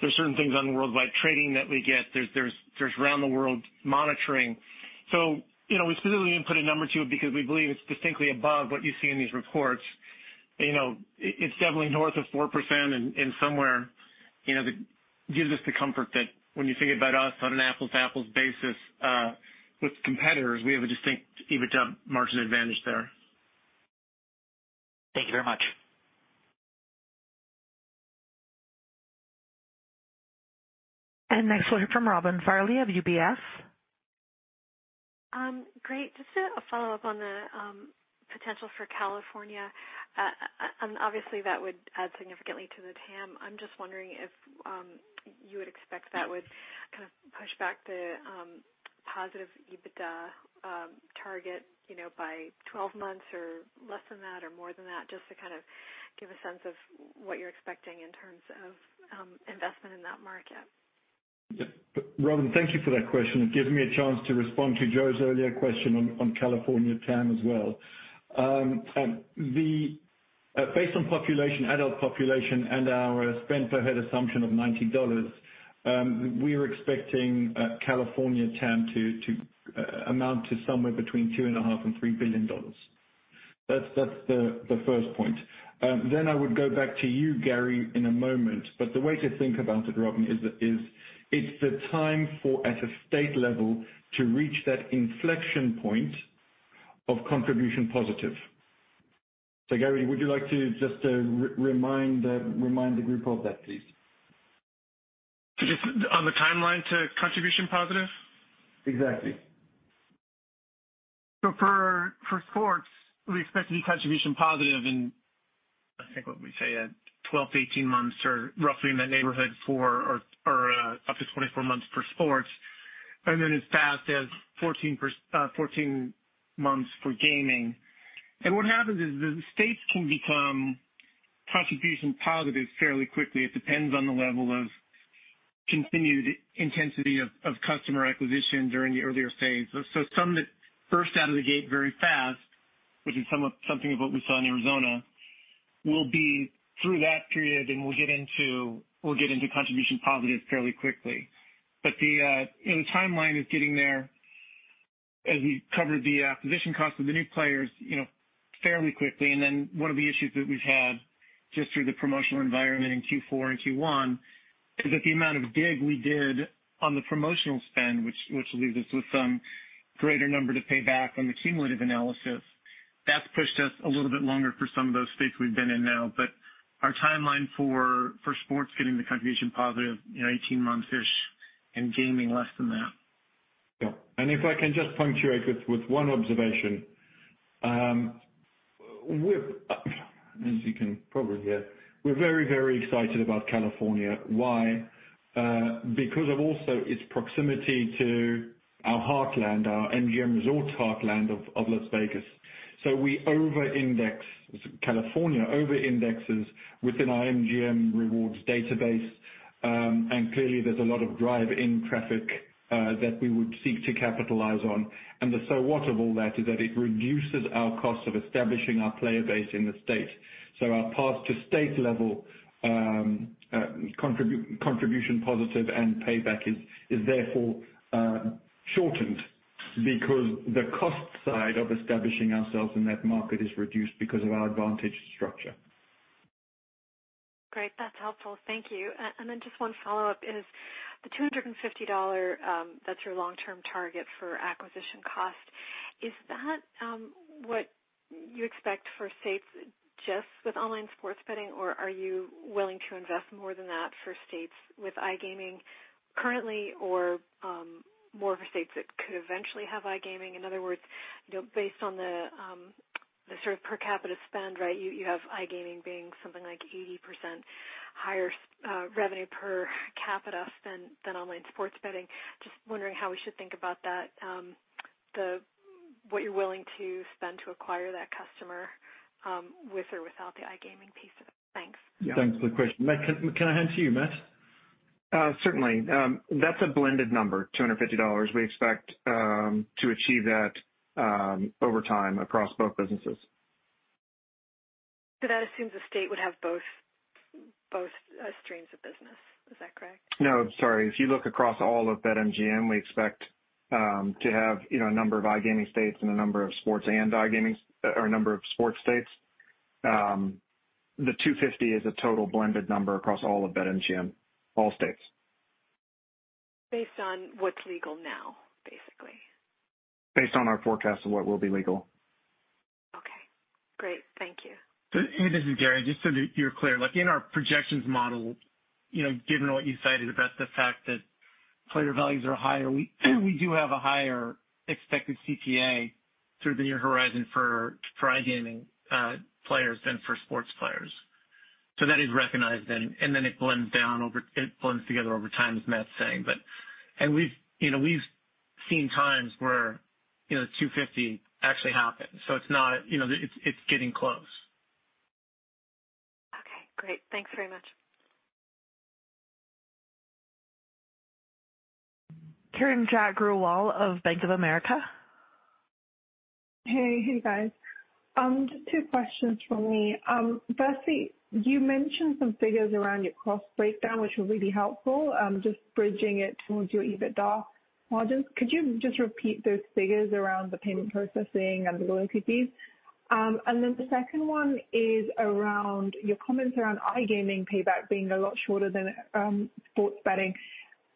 There's certain things on worldwide trading that we get. There's around the world monitoring. You know, we specifically didn't put a number to it because we believe it's distinctly above what you see in these reports. You know, it's definitely north of 4% and somewhere, you know, that gives us the comfort that when you think about us on an apples-to-apples basis with competitors, we have a distinct EBITDA margin advantage there. Thank you very much. Next we'll hear from Robin Farley of UBS. Great. Just a follow-up on the potential for California. Obviously that would add significantly to the TAM. I'm just wondering if you would expect that would kind of push back the positive EBITDA target, you know, by 12 months or less than that or more than that, just to kind of give a sense of what you're expecting in terms of investment in that market. Yep. Robin, thank you for that question. It gives me a chance to respond to Joe's earlier question on California TAM as well. Based on population, adult population and our spend per head assumption of $90, we're expecting California TAM to amount to somewhere between $2.5 billion and $3 billion. That's the first point. I would go back to you, Gary, in a moment. The way to think about it, Robin, is it's the time for at a state level to reach that inflection point of contribution positive. Gary, would you like to just remind the group of that, please? Just on the timeline to contribution positive? Exactly. For sports, we expect to be contribution positive in, I think what we say, 12-18 months or roughly in that neighborhood up to 24 months for sports. Then as fast as 14 months for gaming. What happens is the states can become contribution positive fairly quickly. It depends on the level of continued intensity of customer acquisition during the earlier phase. Some that burst out of the gate very fast, which is something of what we saw in Arizona, will be through that period and will get into contribution positive fairly quickly. You know, the timeline is getting there as we've covered the acquisition cost of the new players, you know, fairly quickly. One of the issues that we've had just through the promotional environment in Q4 and Q1 is that the amount of dig we did on the promotional spend, which leaves us with some greater number to pay back on the cumulative analysis. That's pushed us a little bit longer for some of those states we've been in now. Our timeline for sports getting to contribution positive, you know, 18 months-ish, and gaming less than that. Yeah. If I can just punctuate with one observation. We're, as you can probably hear, very excited about California. Why? Because of also its proximity to our heartland, our MGM Resorts heartland of Las Vegas. California over-indexes within our MGM Rewards database. Clearly there's a lot of drive-in traffic that we would seek to capitalize on. The so what of all that is that it reduces our cost of establishing our player base in the state. Our path to state level contribution positive and payback is therefore shortened because the cost side of establishing ourselves in that market is reduced because of our advantage structure. Great, that's helpful. Thank you. Just one follow-up is the $250, that's your long-term target for acquisition cost. Is that what you expect for states just with online sports betting or are you willing to invest more than that for states with iGaming currently or more for states that could eventually have iGaming? In other words, you know, based on the sort of per capita spend, right, you have iGaming being something like 80% higher revenue per capita than online sports betting. Just wondering how we should think about that, what you're willing to spend to acquire that customer with or without the iGaming piece of it. Thanks. Yeah. Thanks for the question. Matt, can I hand to you, Matt? Certainly. That's a blended number, $250. We expect to achieve that over time across both businesses. That assumes the state would have both streams of business. Is that correct? No, sorry. If you look across all of BetMGM, we expect to have, you know, a number of iGaming states and a number of sports and iGaming or a number of sports states. The $250 is a total blended number across all of BetMGM, all states. Based on what's legal now, basically. Based on our forecast of what will be legal. Okay, great. Thank you. This is Gary. Just so that you're clear, like, in our projections model, you know, given what you cited about the fact that player values are higher, we do have a higher expected CPA through the near horizon for iGaming players than for sports players. So that is recognized then, and then it blends together over time, as Matt's saying. We've, you know, seen times where, you know, $250 actually happened, so it's not, you know, getting close. Okay, great. Thanks very much. Kiranjot Grewal of Bank of America. Hey. Hey, guys. Just two questions from me. Firstly, you mentioned some figures around your cost breakdown, which were really helpful, just bridging it towards your EBITDA margins. Could you just repeat those figures around the payment processing and the loyalty fees? And then the second one is around your comments around iGaming payback being a lot shorter than, sports betting.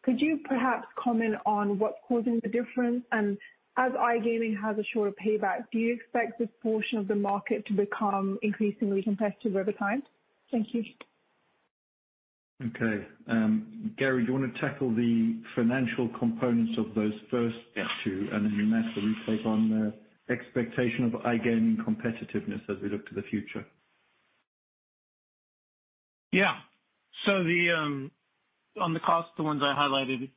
Could you perhaps comment on what's causing the difference? As iGaming has a shorter payback, do you expect this portion of the market to become increasingly competitive over time? Thank you. Okay. Gary, do you wanna tackle the financial components of those first two. Yeah. Matt can take on the expectation of iGaming competitiveness as we look to the future. Yeah. On the cost, the ones I highlighted,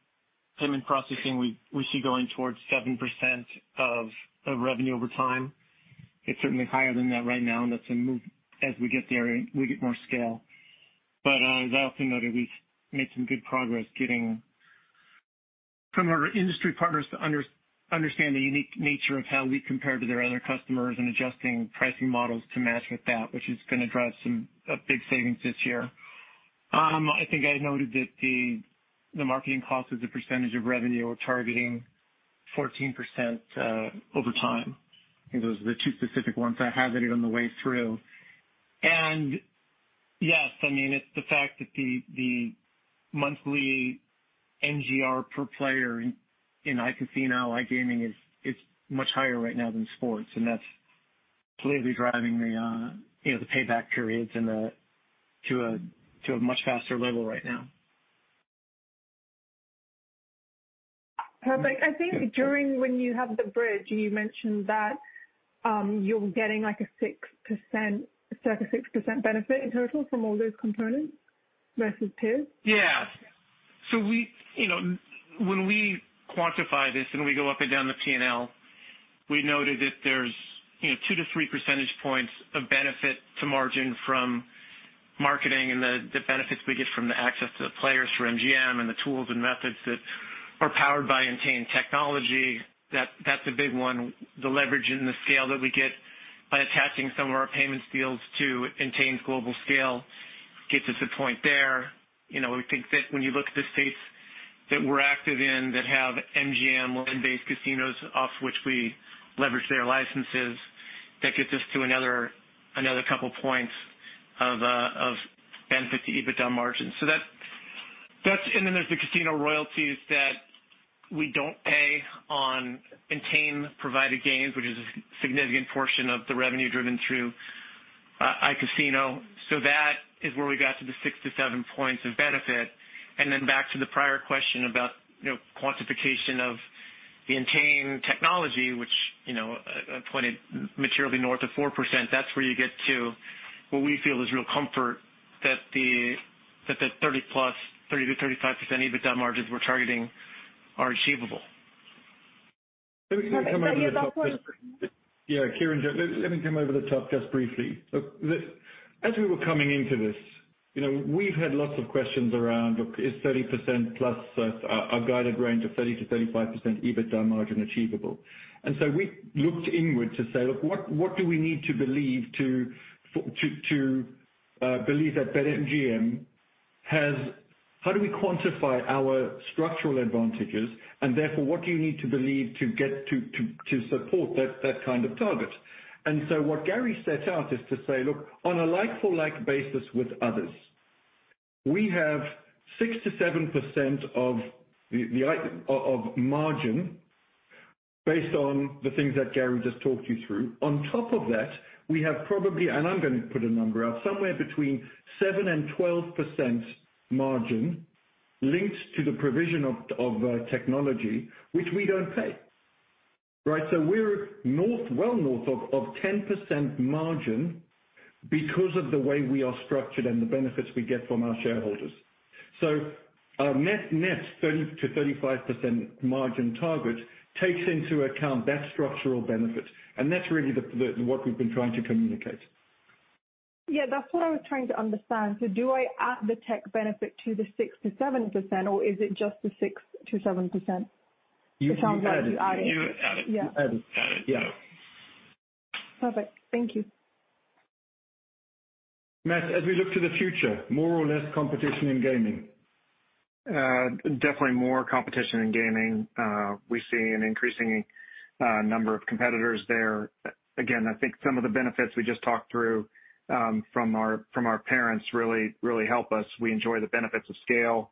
payment processing, we see going towards 7% of revenue over time. It's certainly higher than that right now, and that's a move as we get there and we get more scale. As I also noted, we've made some good progress getting some of our industry partners to understand the unique nature of how we compare to their other customers and adjusting pricing models to match with that, which is gonna drive a big savings this year. I think I noted that the marketing cost as a percentage of revenue, we're targeting 14% over time. I think those are the two specific ones I highlighted on the way through. Yes, I mean, it's the fact that the monthly NGR per player in iCasino, iGaming is much higher right now than sports, and that's clearly driving, you know, the payback periods to a much faster level right now. Perfect. I think during when you have the bridge, you mentioned that, you're getting like a 6%, circa 6% benefit in total from all those components versus peers. Yeah. We, you know, when we quantify this and we go up and down the P&L, we noted that there's, you know, 2 to 3 percentage points of benefit to margin from marketing and the benefits we get from the access to the players through MGM and the tools and methods that are powered by Entain technology. That's a big one. The leverage and the scale that we get by attaching some of our payments deals to Entain's global scale gets us a point there. You know, we think that when you look at the states that we're active in that have MGM land-based casinos off which we leverage their licenses, that gets us to another couple points of benefit to EBITDA margins. There's the casino royalties that we don't pay on Entain-provided games, which is a significant portion of the revenue driven through iCasino. That is where we got to the 6 to 7 points of benefit. Back to the prior question about, you know, quantification of the Entain technology, which, you know, I pointed materially north of 4%. That's where you get to what we feel is real comfort that the 30%-35% EBITDA margins we're targeting are achievable. Perfect. That's what. Let me come over the top. Yeah, Kiran, let me come over the top just briefly. Look, as we were coming into this, you know, we've had lots of questions around, look, is 30%+ our guided range of 30%-35% EBITDA margin achievable? We looked inward to say, "Look, what do we need to believe to believe that BetMGM has. How do we quantify our structural advantages, and therefore, what do you need to believe to get to support that kind of target?" What Gary set out is to say, "Look, on a like-for-like basis with others, we have 6%-7% of the iGaming margin based on the things that Gary just talked you through. On top of that, we have probably, and I'm gonna put a number out, somewhere between 7% and 12% margin linked to the provision of technology which we don't pay. Right? We're north, well north of 10% margin because of the way we are structured and the benefits we get from our shareholders. Our net 30%-35% margin target takes into account that structural benefit, and that's really the what we've been trying to communicate. Yeah, that's what I was trying to understand. Do I add the tech benefit to the 6%-7%, or is it just the 6%-7%? Which I'm going to add it. You add it. Yeah. You add it. Yeah. Perfect. Thank you. Matt, as we look to the future, more or less competition in gaming? Definitely more competition in gaming. We see an increasing number of competitors there. Again, I think some of the benefits we just talked through, from our parents really help us. We enjoy the benefits of scale.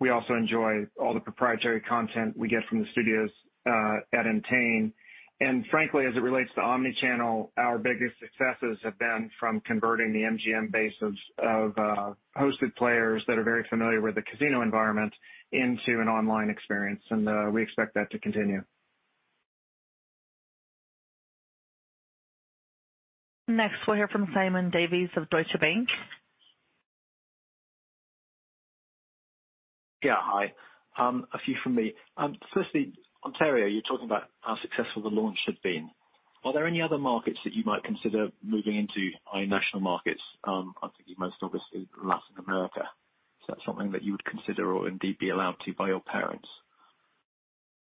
We also enjoy all the proprietary content we get from the studios at Entain. Frankly, as it relates to omni-channel, our biggest successes have been from converting the MGM base of hosted players that are very familiar with the casino environment into an online experience, and we expect that to continue. Next, we'll hear from Simon Davies of Deutsche Bank. Yeah, hi. A few from me. Firstly, Ontario, you're talking about how successful the launch has been. Are there any other markets that you might consider moving into international markets? I was thinking most obviously Latin America. Is that something that you would consider or indeed be allowed to by your parents?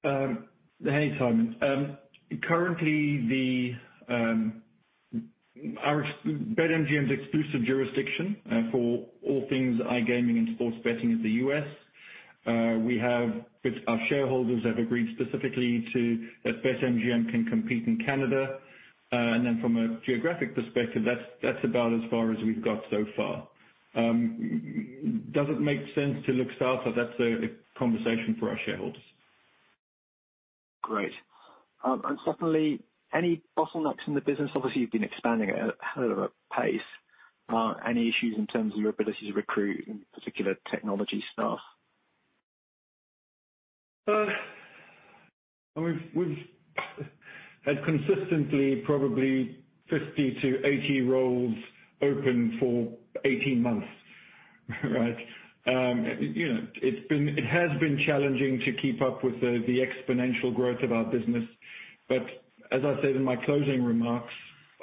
Hey, Simon. Currently, BetMGM's exclusive jurisdiction for all things iGaming and sports betting is the U.S. We have with our shareholders agreed specifically that BetMGM can compete in Canada. Then from a geographic perspective, that's about as far as we've got so far. Does it make sense to look south? That's a conversation for our shareholders. Great. Secondly, any bottlenecks in the business? Obviously, you've been expanding at a hell of a pace. Any issues in terms of your ability to recruit, in particular technology staff? We've had consistently probably 50 to 80 roles open for 18 months, right? You know, it has been challenging to keep up with the exponential growth of our business. As I said in my closing remarks,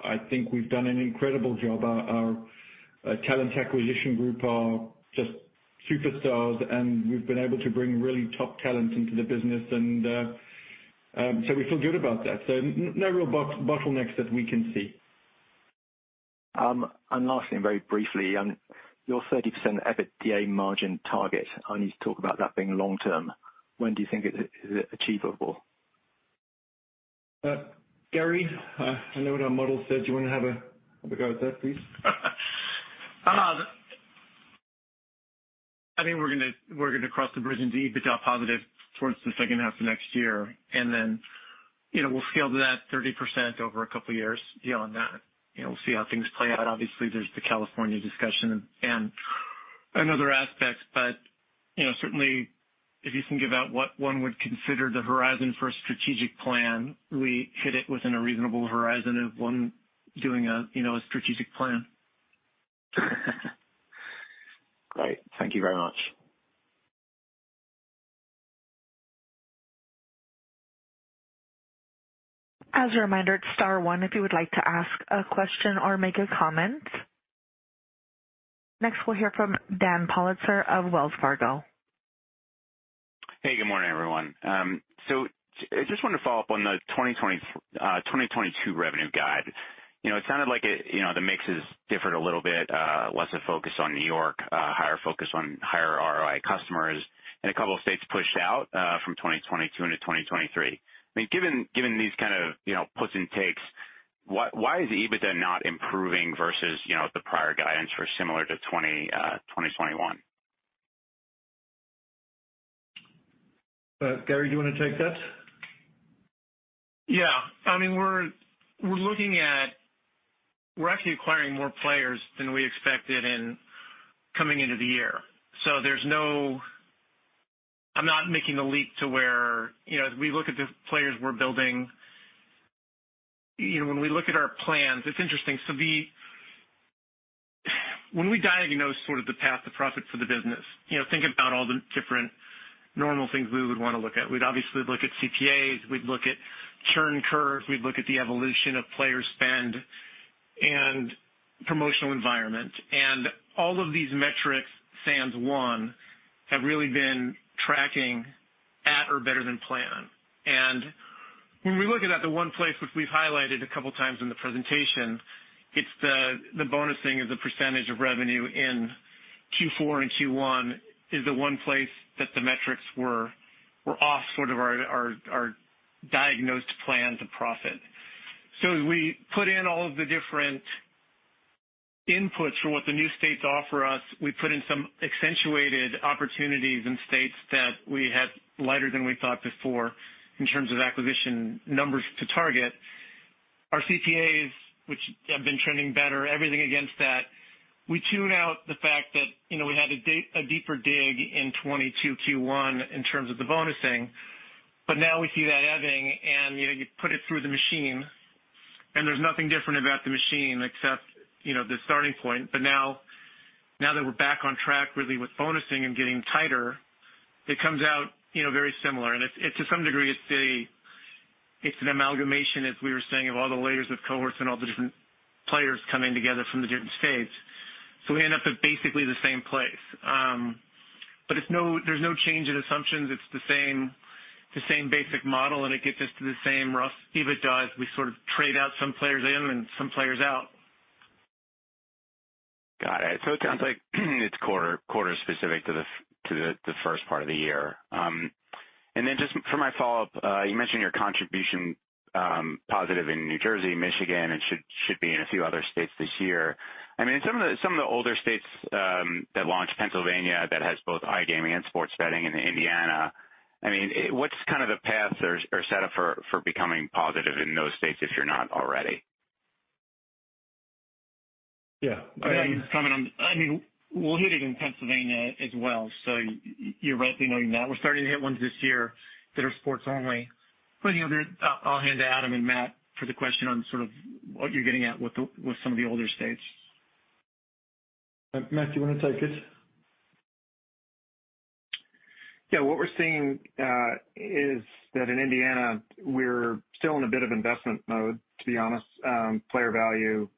I think we've done an incredible job. Our talent acquisition group are just superstars, and we've been able to bring really top talent into the business. We feel good about that. No real bottlenecks that we can see. Lastly, and very briefly, your 30% EBITDA margin target, I need to talk about that being long term. When do you think it is achievable? Gary, I know what our model said. Do you wanna have a go at that, please? I think we're gonna cross the bridge and be EBITDA positive towards the second half of next year. You know, we'll scale to that 30% over a couple of years beyond that. You know, we'll see how things play out. Obviously, there's the California discussion and other aspects. You know, certainly if you can give out what one would consider the horizon for a strategic plan, we hit it within a reasonable horizon of one doing a, you know, a strategic plan. Great. Thank you very much. As a reminder, it's star one if you would like to ask a question or make a comment. Next, we'll hear from Dan Politzer of Wells Fargo. Hey, good morning, everyone. So just wanted to follow up on the 2022 revenue guide. You know, it sounded like it, you know, the mix is different a little bit, less a focus on New York, higher focus on higher ROI customers, and a couple of states pushed out from 2022 into 2023. I mean, given these kind of, you know, puts and takes, why is EBITDA not improving versus, you know, the prior guidance for similar to 2021? Gary, do you wanna take that? Yeah. I mean, we're actually acquiring more players than we expected coming into the year. I'm not making the leap to where, you know, we look at the players we're building. You know, when we look at our plans, it's interesting. When we diagnose sort of the path to profit for the business, you know, think about all the different normal things we would wanna look at. We'd obviously look at CPAs, we'd look at churn curves, we'd look at the evolution of player spend and promotional environment. All of these metrics, sans one, have really been tracking at or better than plan. When we look at that, the one place which we've highlighted a couple times in the presentation, it's the bonusing of the percentage of revenue in Q4 and Q1 is the one place that the metrics were off sort of our desired plan to profit. As we put in all of the different inputs for what the new states offer us, we put in some accentuated opportunities in states that we had lighter than we thought before in terms of acquisition numbers to target. Our CPAs, which have been trending better, everything against that, we tune out the fact that, you know, we had a deeper dig in 2022 Q1 in terms of the bonusing. Now we see that ebbing and, you know, you put it through the machine, and there's nothing different about the machine except, you know, the starting point. Now that we're back on track, really with bonusing and getting tighter, it comes out, you know, very similar. It's, to some degree, an amalgamation, as we were saying, of all the layers of cohorts and all the different players coming together from the different states. We end up at basically the same place. There's no change in assumptions. It's the same basic model, and it gets us to the same rough EBITDA as we sort of trade out some players in and some players out. All right. It sounds like it's quarter specific to the first part of the year. Just for my follow-up, you mentioned your contribution positive in New Jersey, Michigan, and should be in a few other states this year. I mean, some of the older states that launched, Pennsylvania that has both iGaming and sports betting in Indiana, what's kind of the paths are set up for becoming positive in those states if you're not already? Yeah. We'll hit it in Pennsylvania as well. You're rightly noting that. We're starting to hit ones this year that are sports only. You know, there. I'll hand to Adam and Matt for the question on sort of what you're getting at with some of the older states. Matt, do you wanna take it? Yeah. What we're seeing is that in Indiana, we're still in a bit of investment mode, to be honest. Player value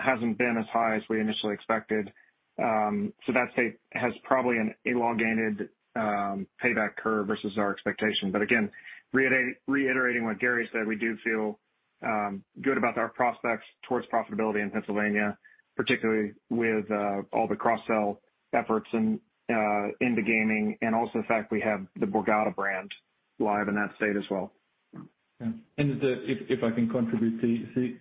hasn't been as high as we initially expected. So that state has probably an elongated payback curve versus our expectation. But again, reiterating what Gary said, we do feel good about our prospects towards profitability in Pennsylvania, particularly with all the cross-sell efforts and into gaming and also the fact we have the Borgata brand live in that state as well. Yeah. If I can contribute, please.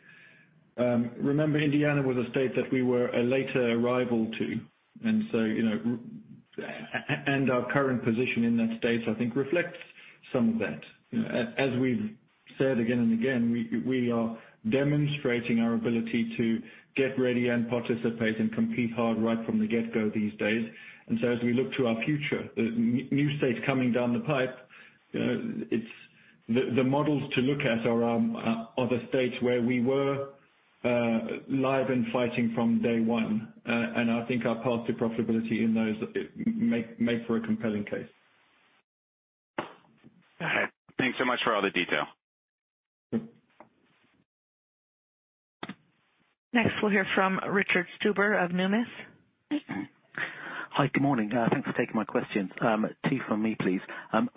Remember, Indiana was a state that we were a later arrival to. So, you know, and our current position in that state, I think reflects some of that. As we've said again and again, we are demonstrating our ability to get ready and participate and compete hard right from the get-go these days. So as we look to our future, the new states coming down the pipe, it's. The models to look at are the states where we were live and fighting from day one. I think our path to profitability in those make for a compelling case. All right. Thanks so much for all the detail. Mm-hmm. Next, we'll hear from Richard Stuber of Numis. Hi, good morning. Thanks for taking my question. Two from me, please.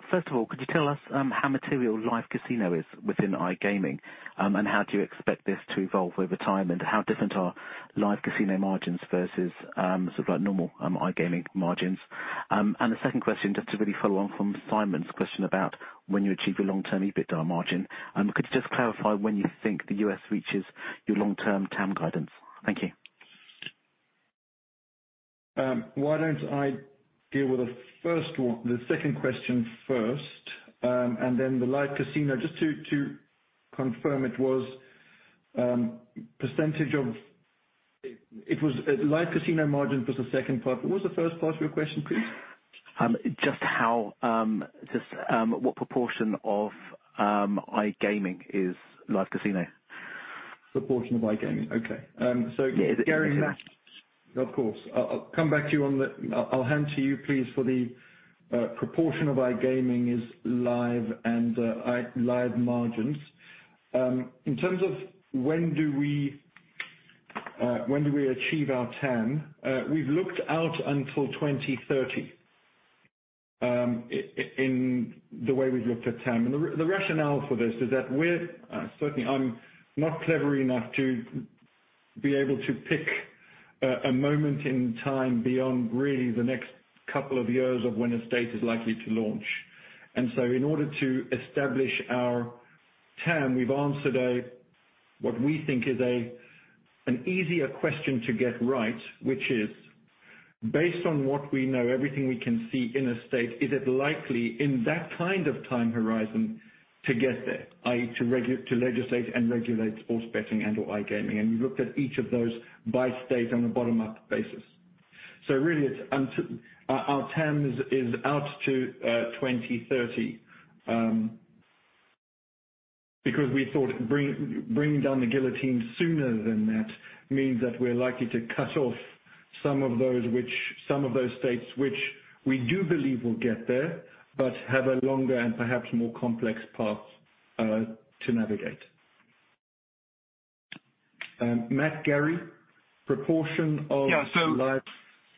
First of all, could you tell us how material live casino is within iGaming, and how do you expect this to evolve over time? How different are live casino margins versus sort of like normal iGaming margins? The second question, just to really follow on from Simon's question about when you achieve your long-term EBITDA margin, could you just clarify when you think the U.S. reaches your long-term TAM guidance? Thank you. Why don't I deal with the first one, the second question first, and then the live casino. Just to confirm, it was percentage of. It was live casino margin was the second part. What was the first part of your question, please? What proportion of iGaming is live casino? Proportion of iGaming. Okay. Yeah. Gary, Matt. Of course. I'll come back to you on that. I'll hand to you, please, for the proportion of iGaming that's live and iGaming margins. In terms of when do we achieve our TAM, we've looked out until 2030, in the way we've looked at TAM. The rationale for this is that we're certainly, I'm not clever enough to be able to pick a moment in time beyond really the next couple of years of when a state is likely to launch. In order to establish our TAM, we've answered what we think is an easier question to get right, which is based on what we know, everything we can see in a state, is it likely in that kind of time horizon to get there, i.e., to legislate and regulate sports betting and/or iGaming? We looked at each of those by state on a bottom-up basis. Really it's our TAM is out to 2030, because we thought bringing down the guillotine sooner than that means that we're likely to cut off some of those states which we do believe will get there, but have a longer and perhaps more complex path to navigate. Matt, Gary, proportion of live-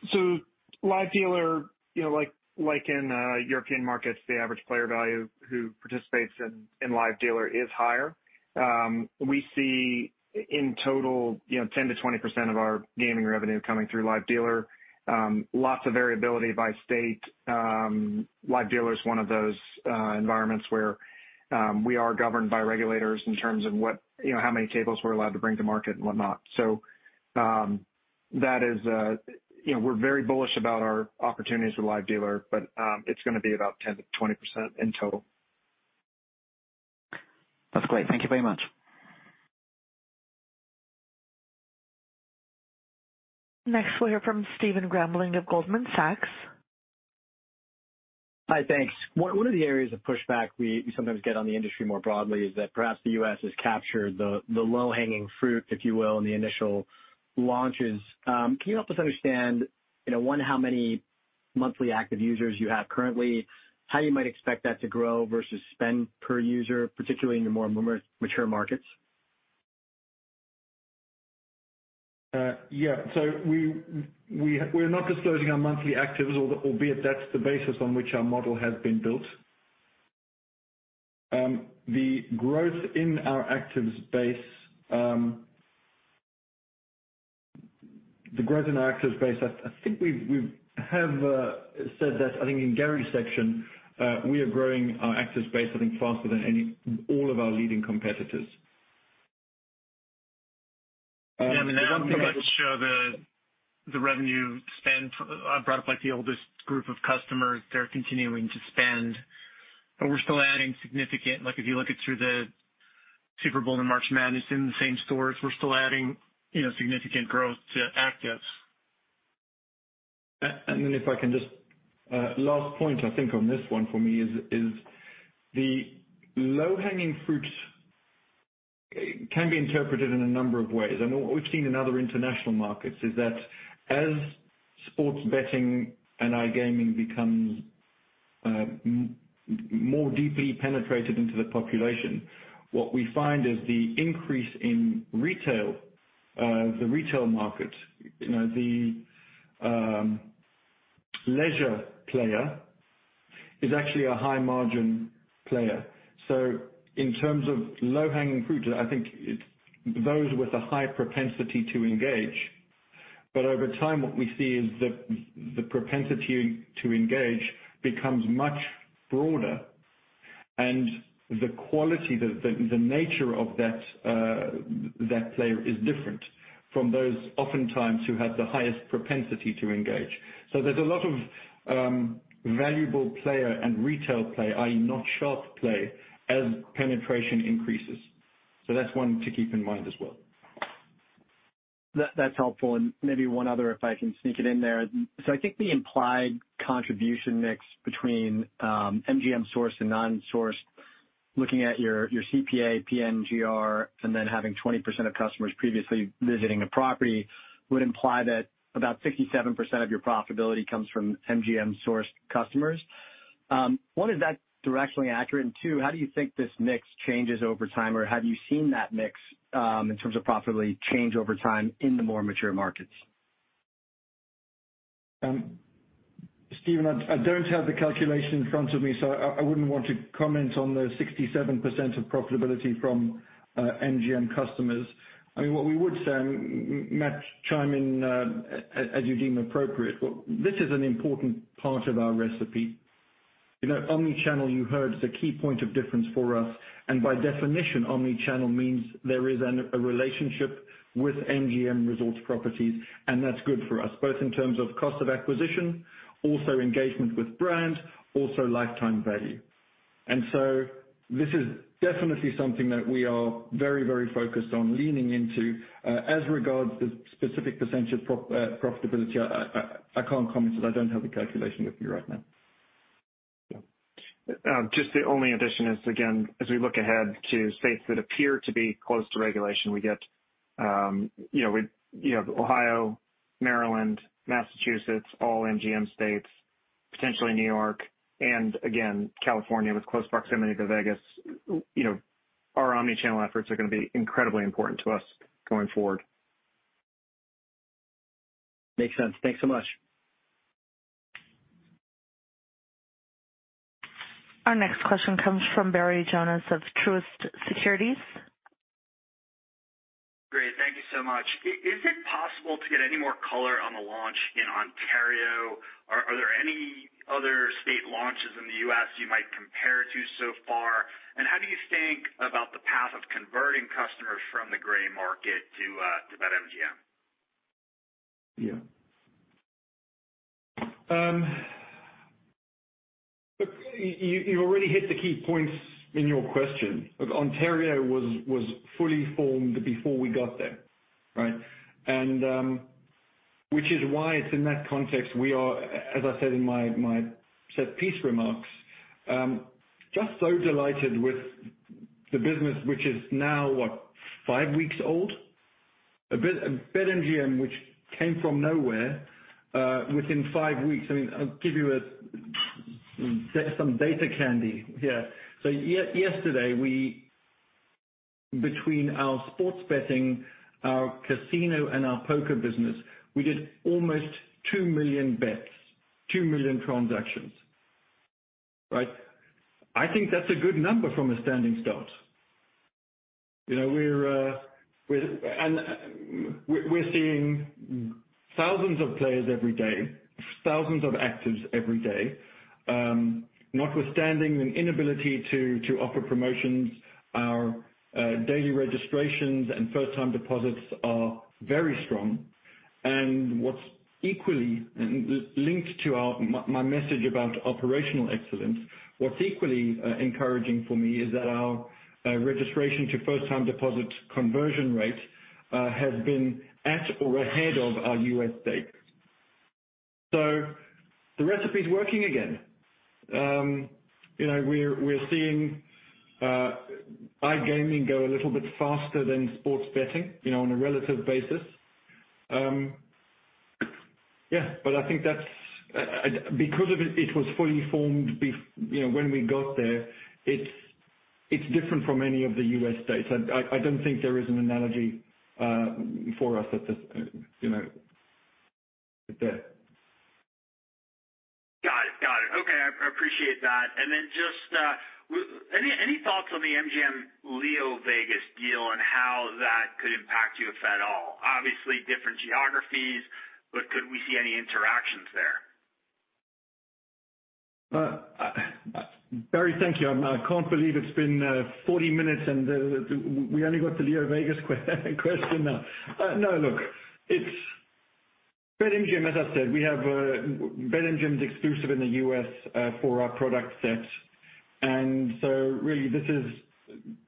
Yeah. Live dealer, you know, like in European markets, the average player value who participates in live dealer is higher. We see in total, you know, 10%-20% of our gaming revenue coming through live dealer. Lots of variability by state. Live dealer is one of those environments where we are governed by regulators in terms of what, you know, how many tables we're allowed to bring to market and whatnot. That is, you know, we're very bullish about our opportunities with live dealer, but it's gonna be about 10%-20% in total. That's great. Thank you very much. Next, we'll hear from Stephen Grambling of Goldman Sachs. Hi. Thanks. One of the areas of pushback we sometimes get on the industry more broadly is that perhaps the U.S. has captured the low-hanging fruit, if you will, in the initial launches. Can you help us understand, you know, one, how many monthly active users you have currently, how you might expect that to grow versus spend per user, particularly in the more mature markets? We're not disclosing our monthly actives, albeit that's the basis on which our model has been built. The growth in our actives base, I think we have said that I think in Gary's section, we are growing our actives base, I think, faster than all of our leading competitors. Yeah, now we can show the revenue and spend. I brought up, like, the oldest group of customers. They're continuing to spend, but we're still adding significant, like, if you look through the Super Bowl and March Madness in the same stores, we're still adding, you know, significant growth to actives. Last point I think on this one for me is the low-hanging fruit can be interpreted in a number of ways. What we've seen in other international markets is that as sports betting and iGaming becomes more deeply penetrated into the population, what we find is the increase in retail the retail market, you know, the leisure player is actually a high-margin player. So in terms of low-hanging fruit, I think it those with a high propensity to engage. But over time, what we see is the propensity to engage becomes much broader, and the quality, the nature of that player is different from those oftentimes who have the highest propensity to engage. So there's a lot of valuable player and retail play, i.e., not sharp play, as penetration increases. That's one to keep in mind as well. That, that's helpful. Maybe one other, if I can sneak it in there. I think the implied contribution mix between MGM-sourced and non-sourced, looking at your CPA, pNGR, and then having 20% of customers previously visiting a property would imply that about 67% of your profitability comes from MGM-sourced customers. One, is that directionally accurate? Two, how do you think this mix changes over time, or have you seen that mix in terms of profitability change over time in the more mature markets? Stephen, I don't have the calculation in front of me, so I wouldn't want to comment on the 67% of profitability from MGM customers. I mean, what we would say, and Matt, chime in as you deem appropriate. Well, this is an important part of our recipe. You know, omni-channel, you heard, is a key point of difference for us. By definition, omni-channel means there is a relationship with MGM Resorts properties, and that's good for us, both in terms of cost of acquisition, also engagement with brand, also lifetime value. So this is definitely something that we are very, very focused on leaning into. As regards to specific percentage profitability, I can't comment 'cause I don't have the calculation with me right now. Yeah. Just the only addition is, again, as we look ahead to states that appear to be close to regulation, we get, you know, you have Ohio, Maryland, Massachusetts, all MGM states, potentially New York, and again, California with close proximity to Vegas. You know, our omni-channel efforts are gonna be incredibly important to us going forward. Makes sense. Thanks so much. Our next question comes from Barry Jonas of Truist Securities. Great. Thank you so much. Is it possible to get any more color on the launch in Ontario? Are there any other state launches in the U.S. you might compare to so far? How do you think about the path of converting customers from the gray market to BetMGM? Yeah. Look, you already hit the key points in your question. Look, Ontario was fully formed before we got there, right? Which is why it's in that context, we are, as I said in my set piece remarks, just so delighted with the business which is now, what, five weeks old. BetMGM which came from nowhere within five weeks. I mean, I'll give you some data candy here. Yesterday, between our sports betting, our casino, and our poker business, we did almost two million bets, two million transactions, right? I think that's a good number from a standing start. You know, we're seeing thousands of players every day, thousands of actives every day. Notwithstanding an inability to offer promotions, our daily registrations and first-time deposits are very strong. What's equally encouraging for me is that our registration to first-time deposit conversion rate has been at or ahead of our U.S. states. The recipe's working again. You know, we're seeing iGaming go a little bit faster than sports betting, you know, on a relative basis. I think that's because it was fully formed, you know, when we got there. It's different from any of the U.S. states. I don't think there is an analogy for us at this, you know. Got it. Okay, I appreciate that. Just any thoughts on the MGM LeoVegas deal and how that could impact you, if at all? Obviously different geographies, but could we see any interactions there? Barry, thank you. I can't believe it's been 40 minutes and we only got the LeoVegas question now. No, look, it's BetMGM, as I said, we have BetMGM is exclusive in the U.S. for our product set. Really this is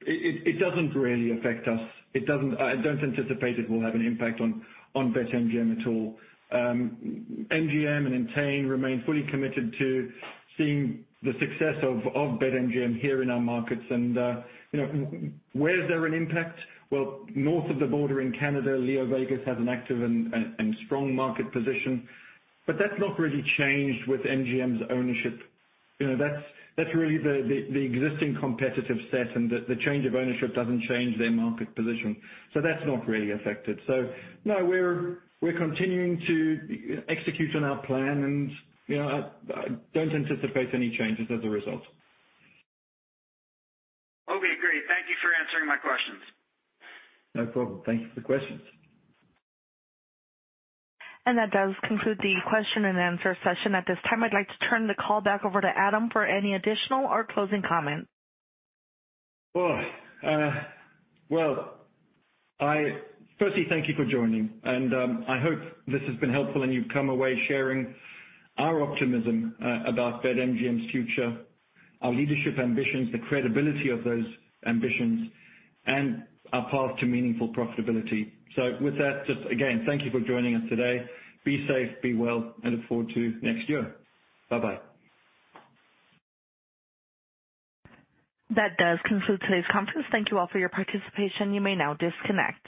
it. It doesn't really affect us. It doesn't. I don't anticipate it will have an impact on BetMGM at all. MGM and Entain remain fully committed to seeing the success of BetMGM here in our markets. You know, where is there an impact? Well, north of the border in Canada, LeoVegas has an active and strong market position, but that's not really changed with MGM's ownership. You know, that's really the existing competitive set and the change of ownership doesn't change their market position. That's not really affected. No, we're continuing to execute on our plan and, you know, I don't anticipate any changes as a result. Okay, great. Thank you for answering my questions. No problem. Thank you for the questions. That does conclude the question and answer session. At this time, I'd like to turn the call back over to Adam for any additional or closing comments. Well, I firstly thank you for joining and, I hope this has been helpful and you've come away sharing our optimism about BetMGM's future, our leadership ambitions, the credibility of those ambitions and our path to meaningful profitability. With that, just again, thank you for joining us today. Be safe, be well, and look forward to next year. Bye-bye. That does conclude today's conference. Thank you all for your participation. You may now disconnect.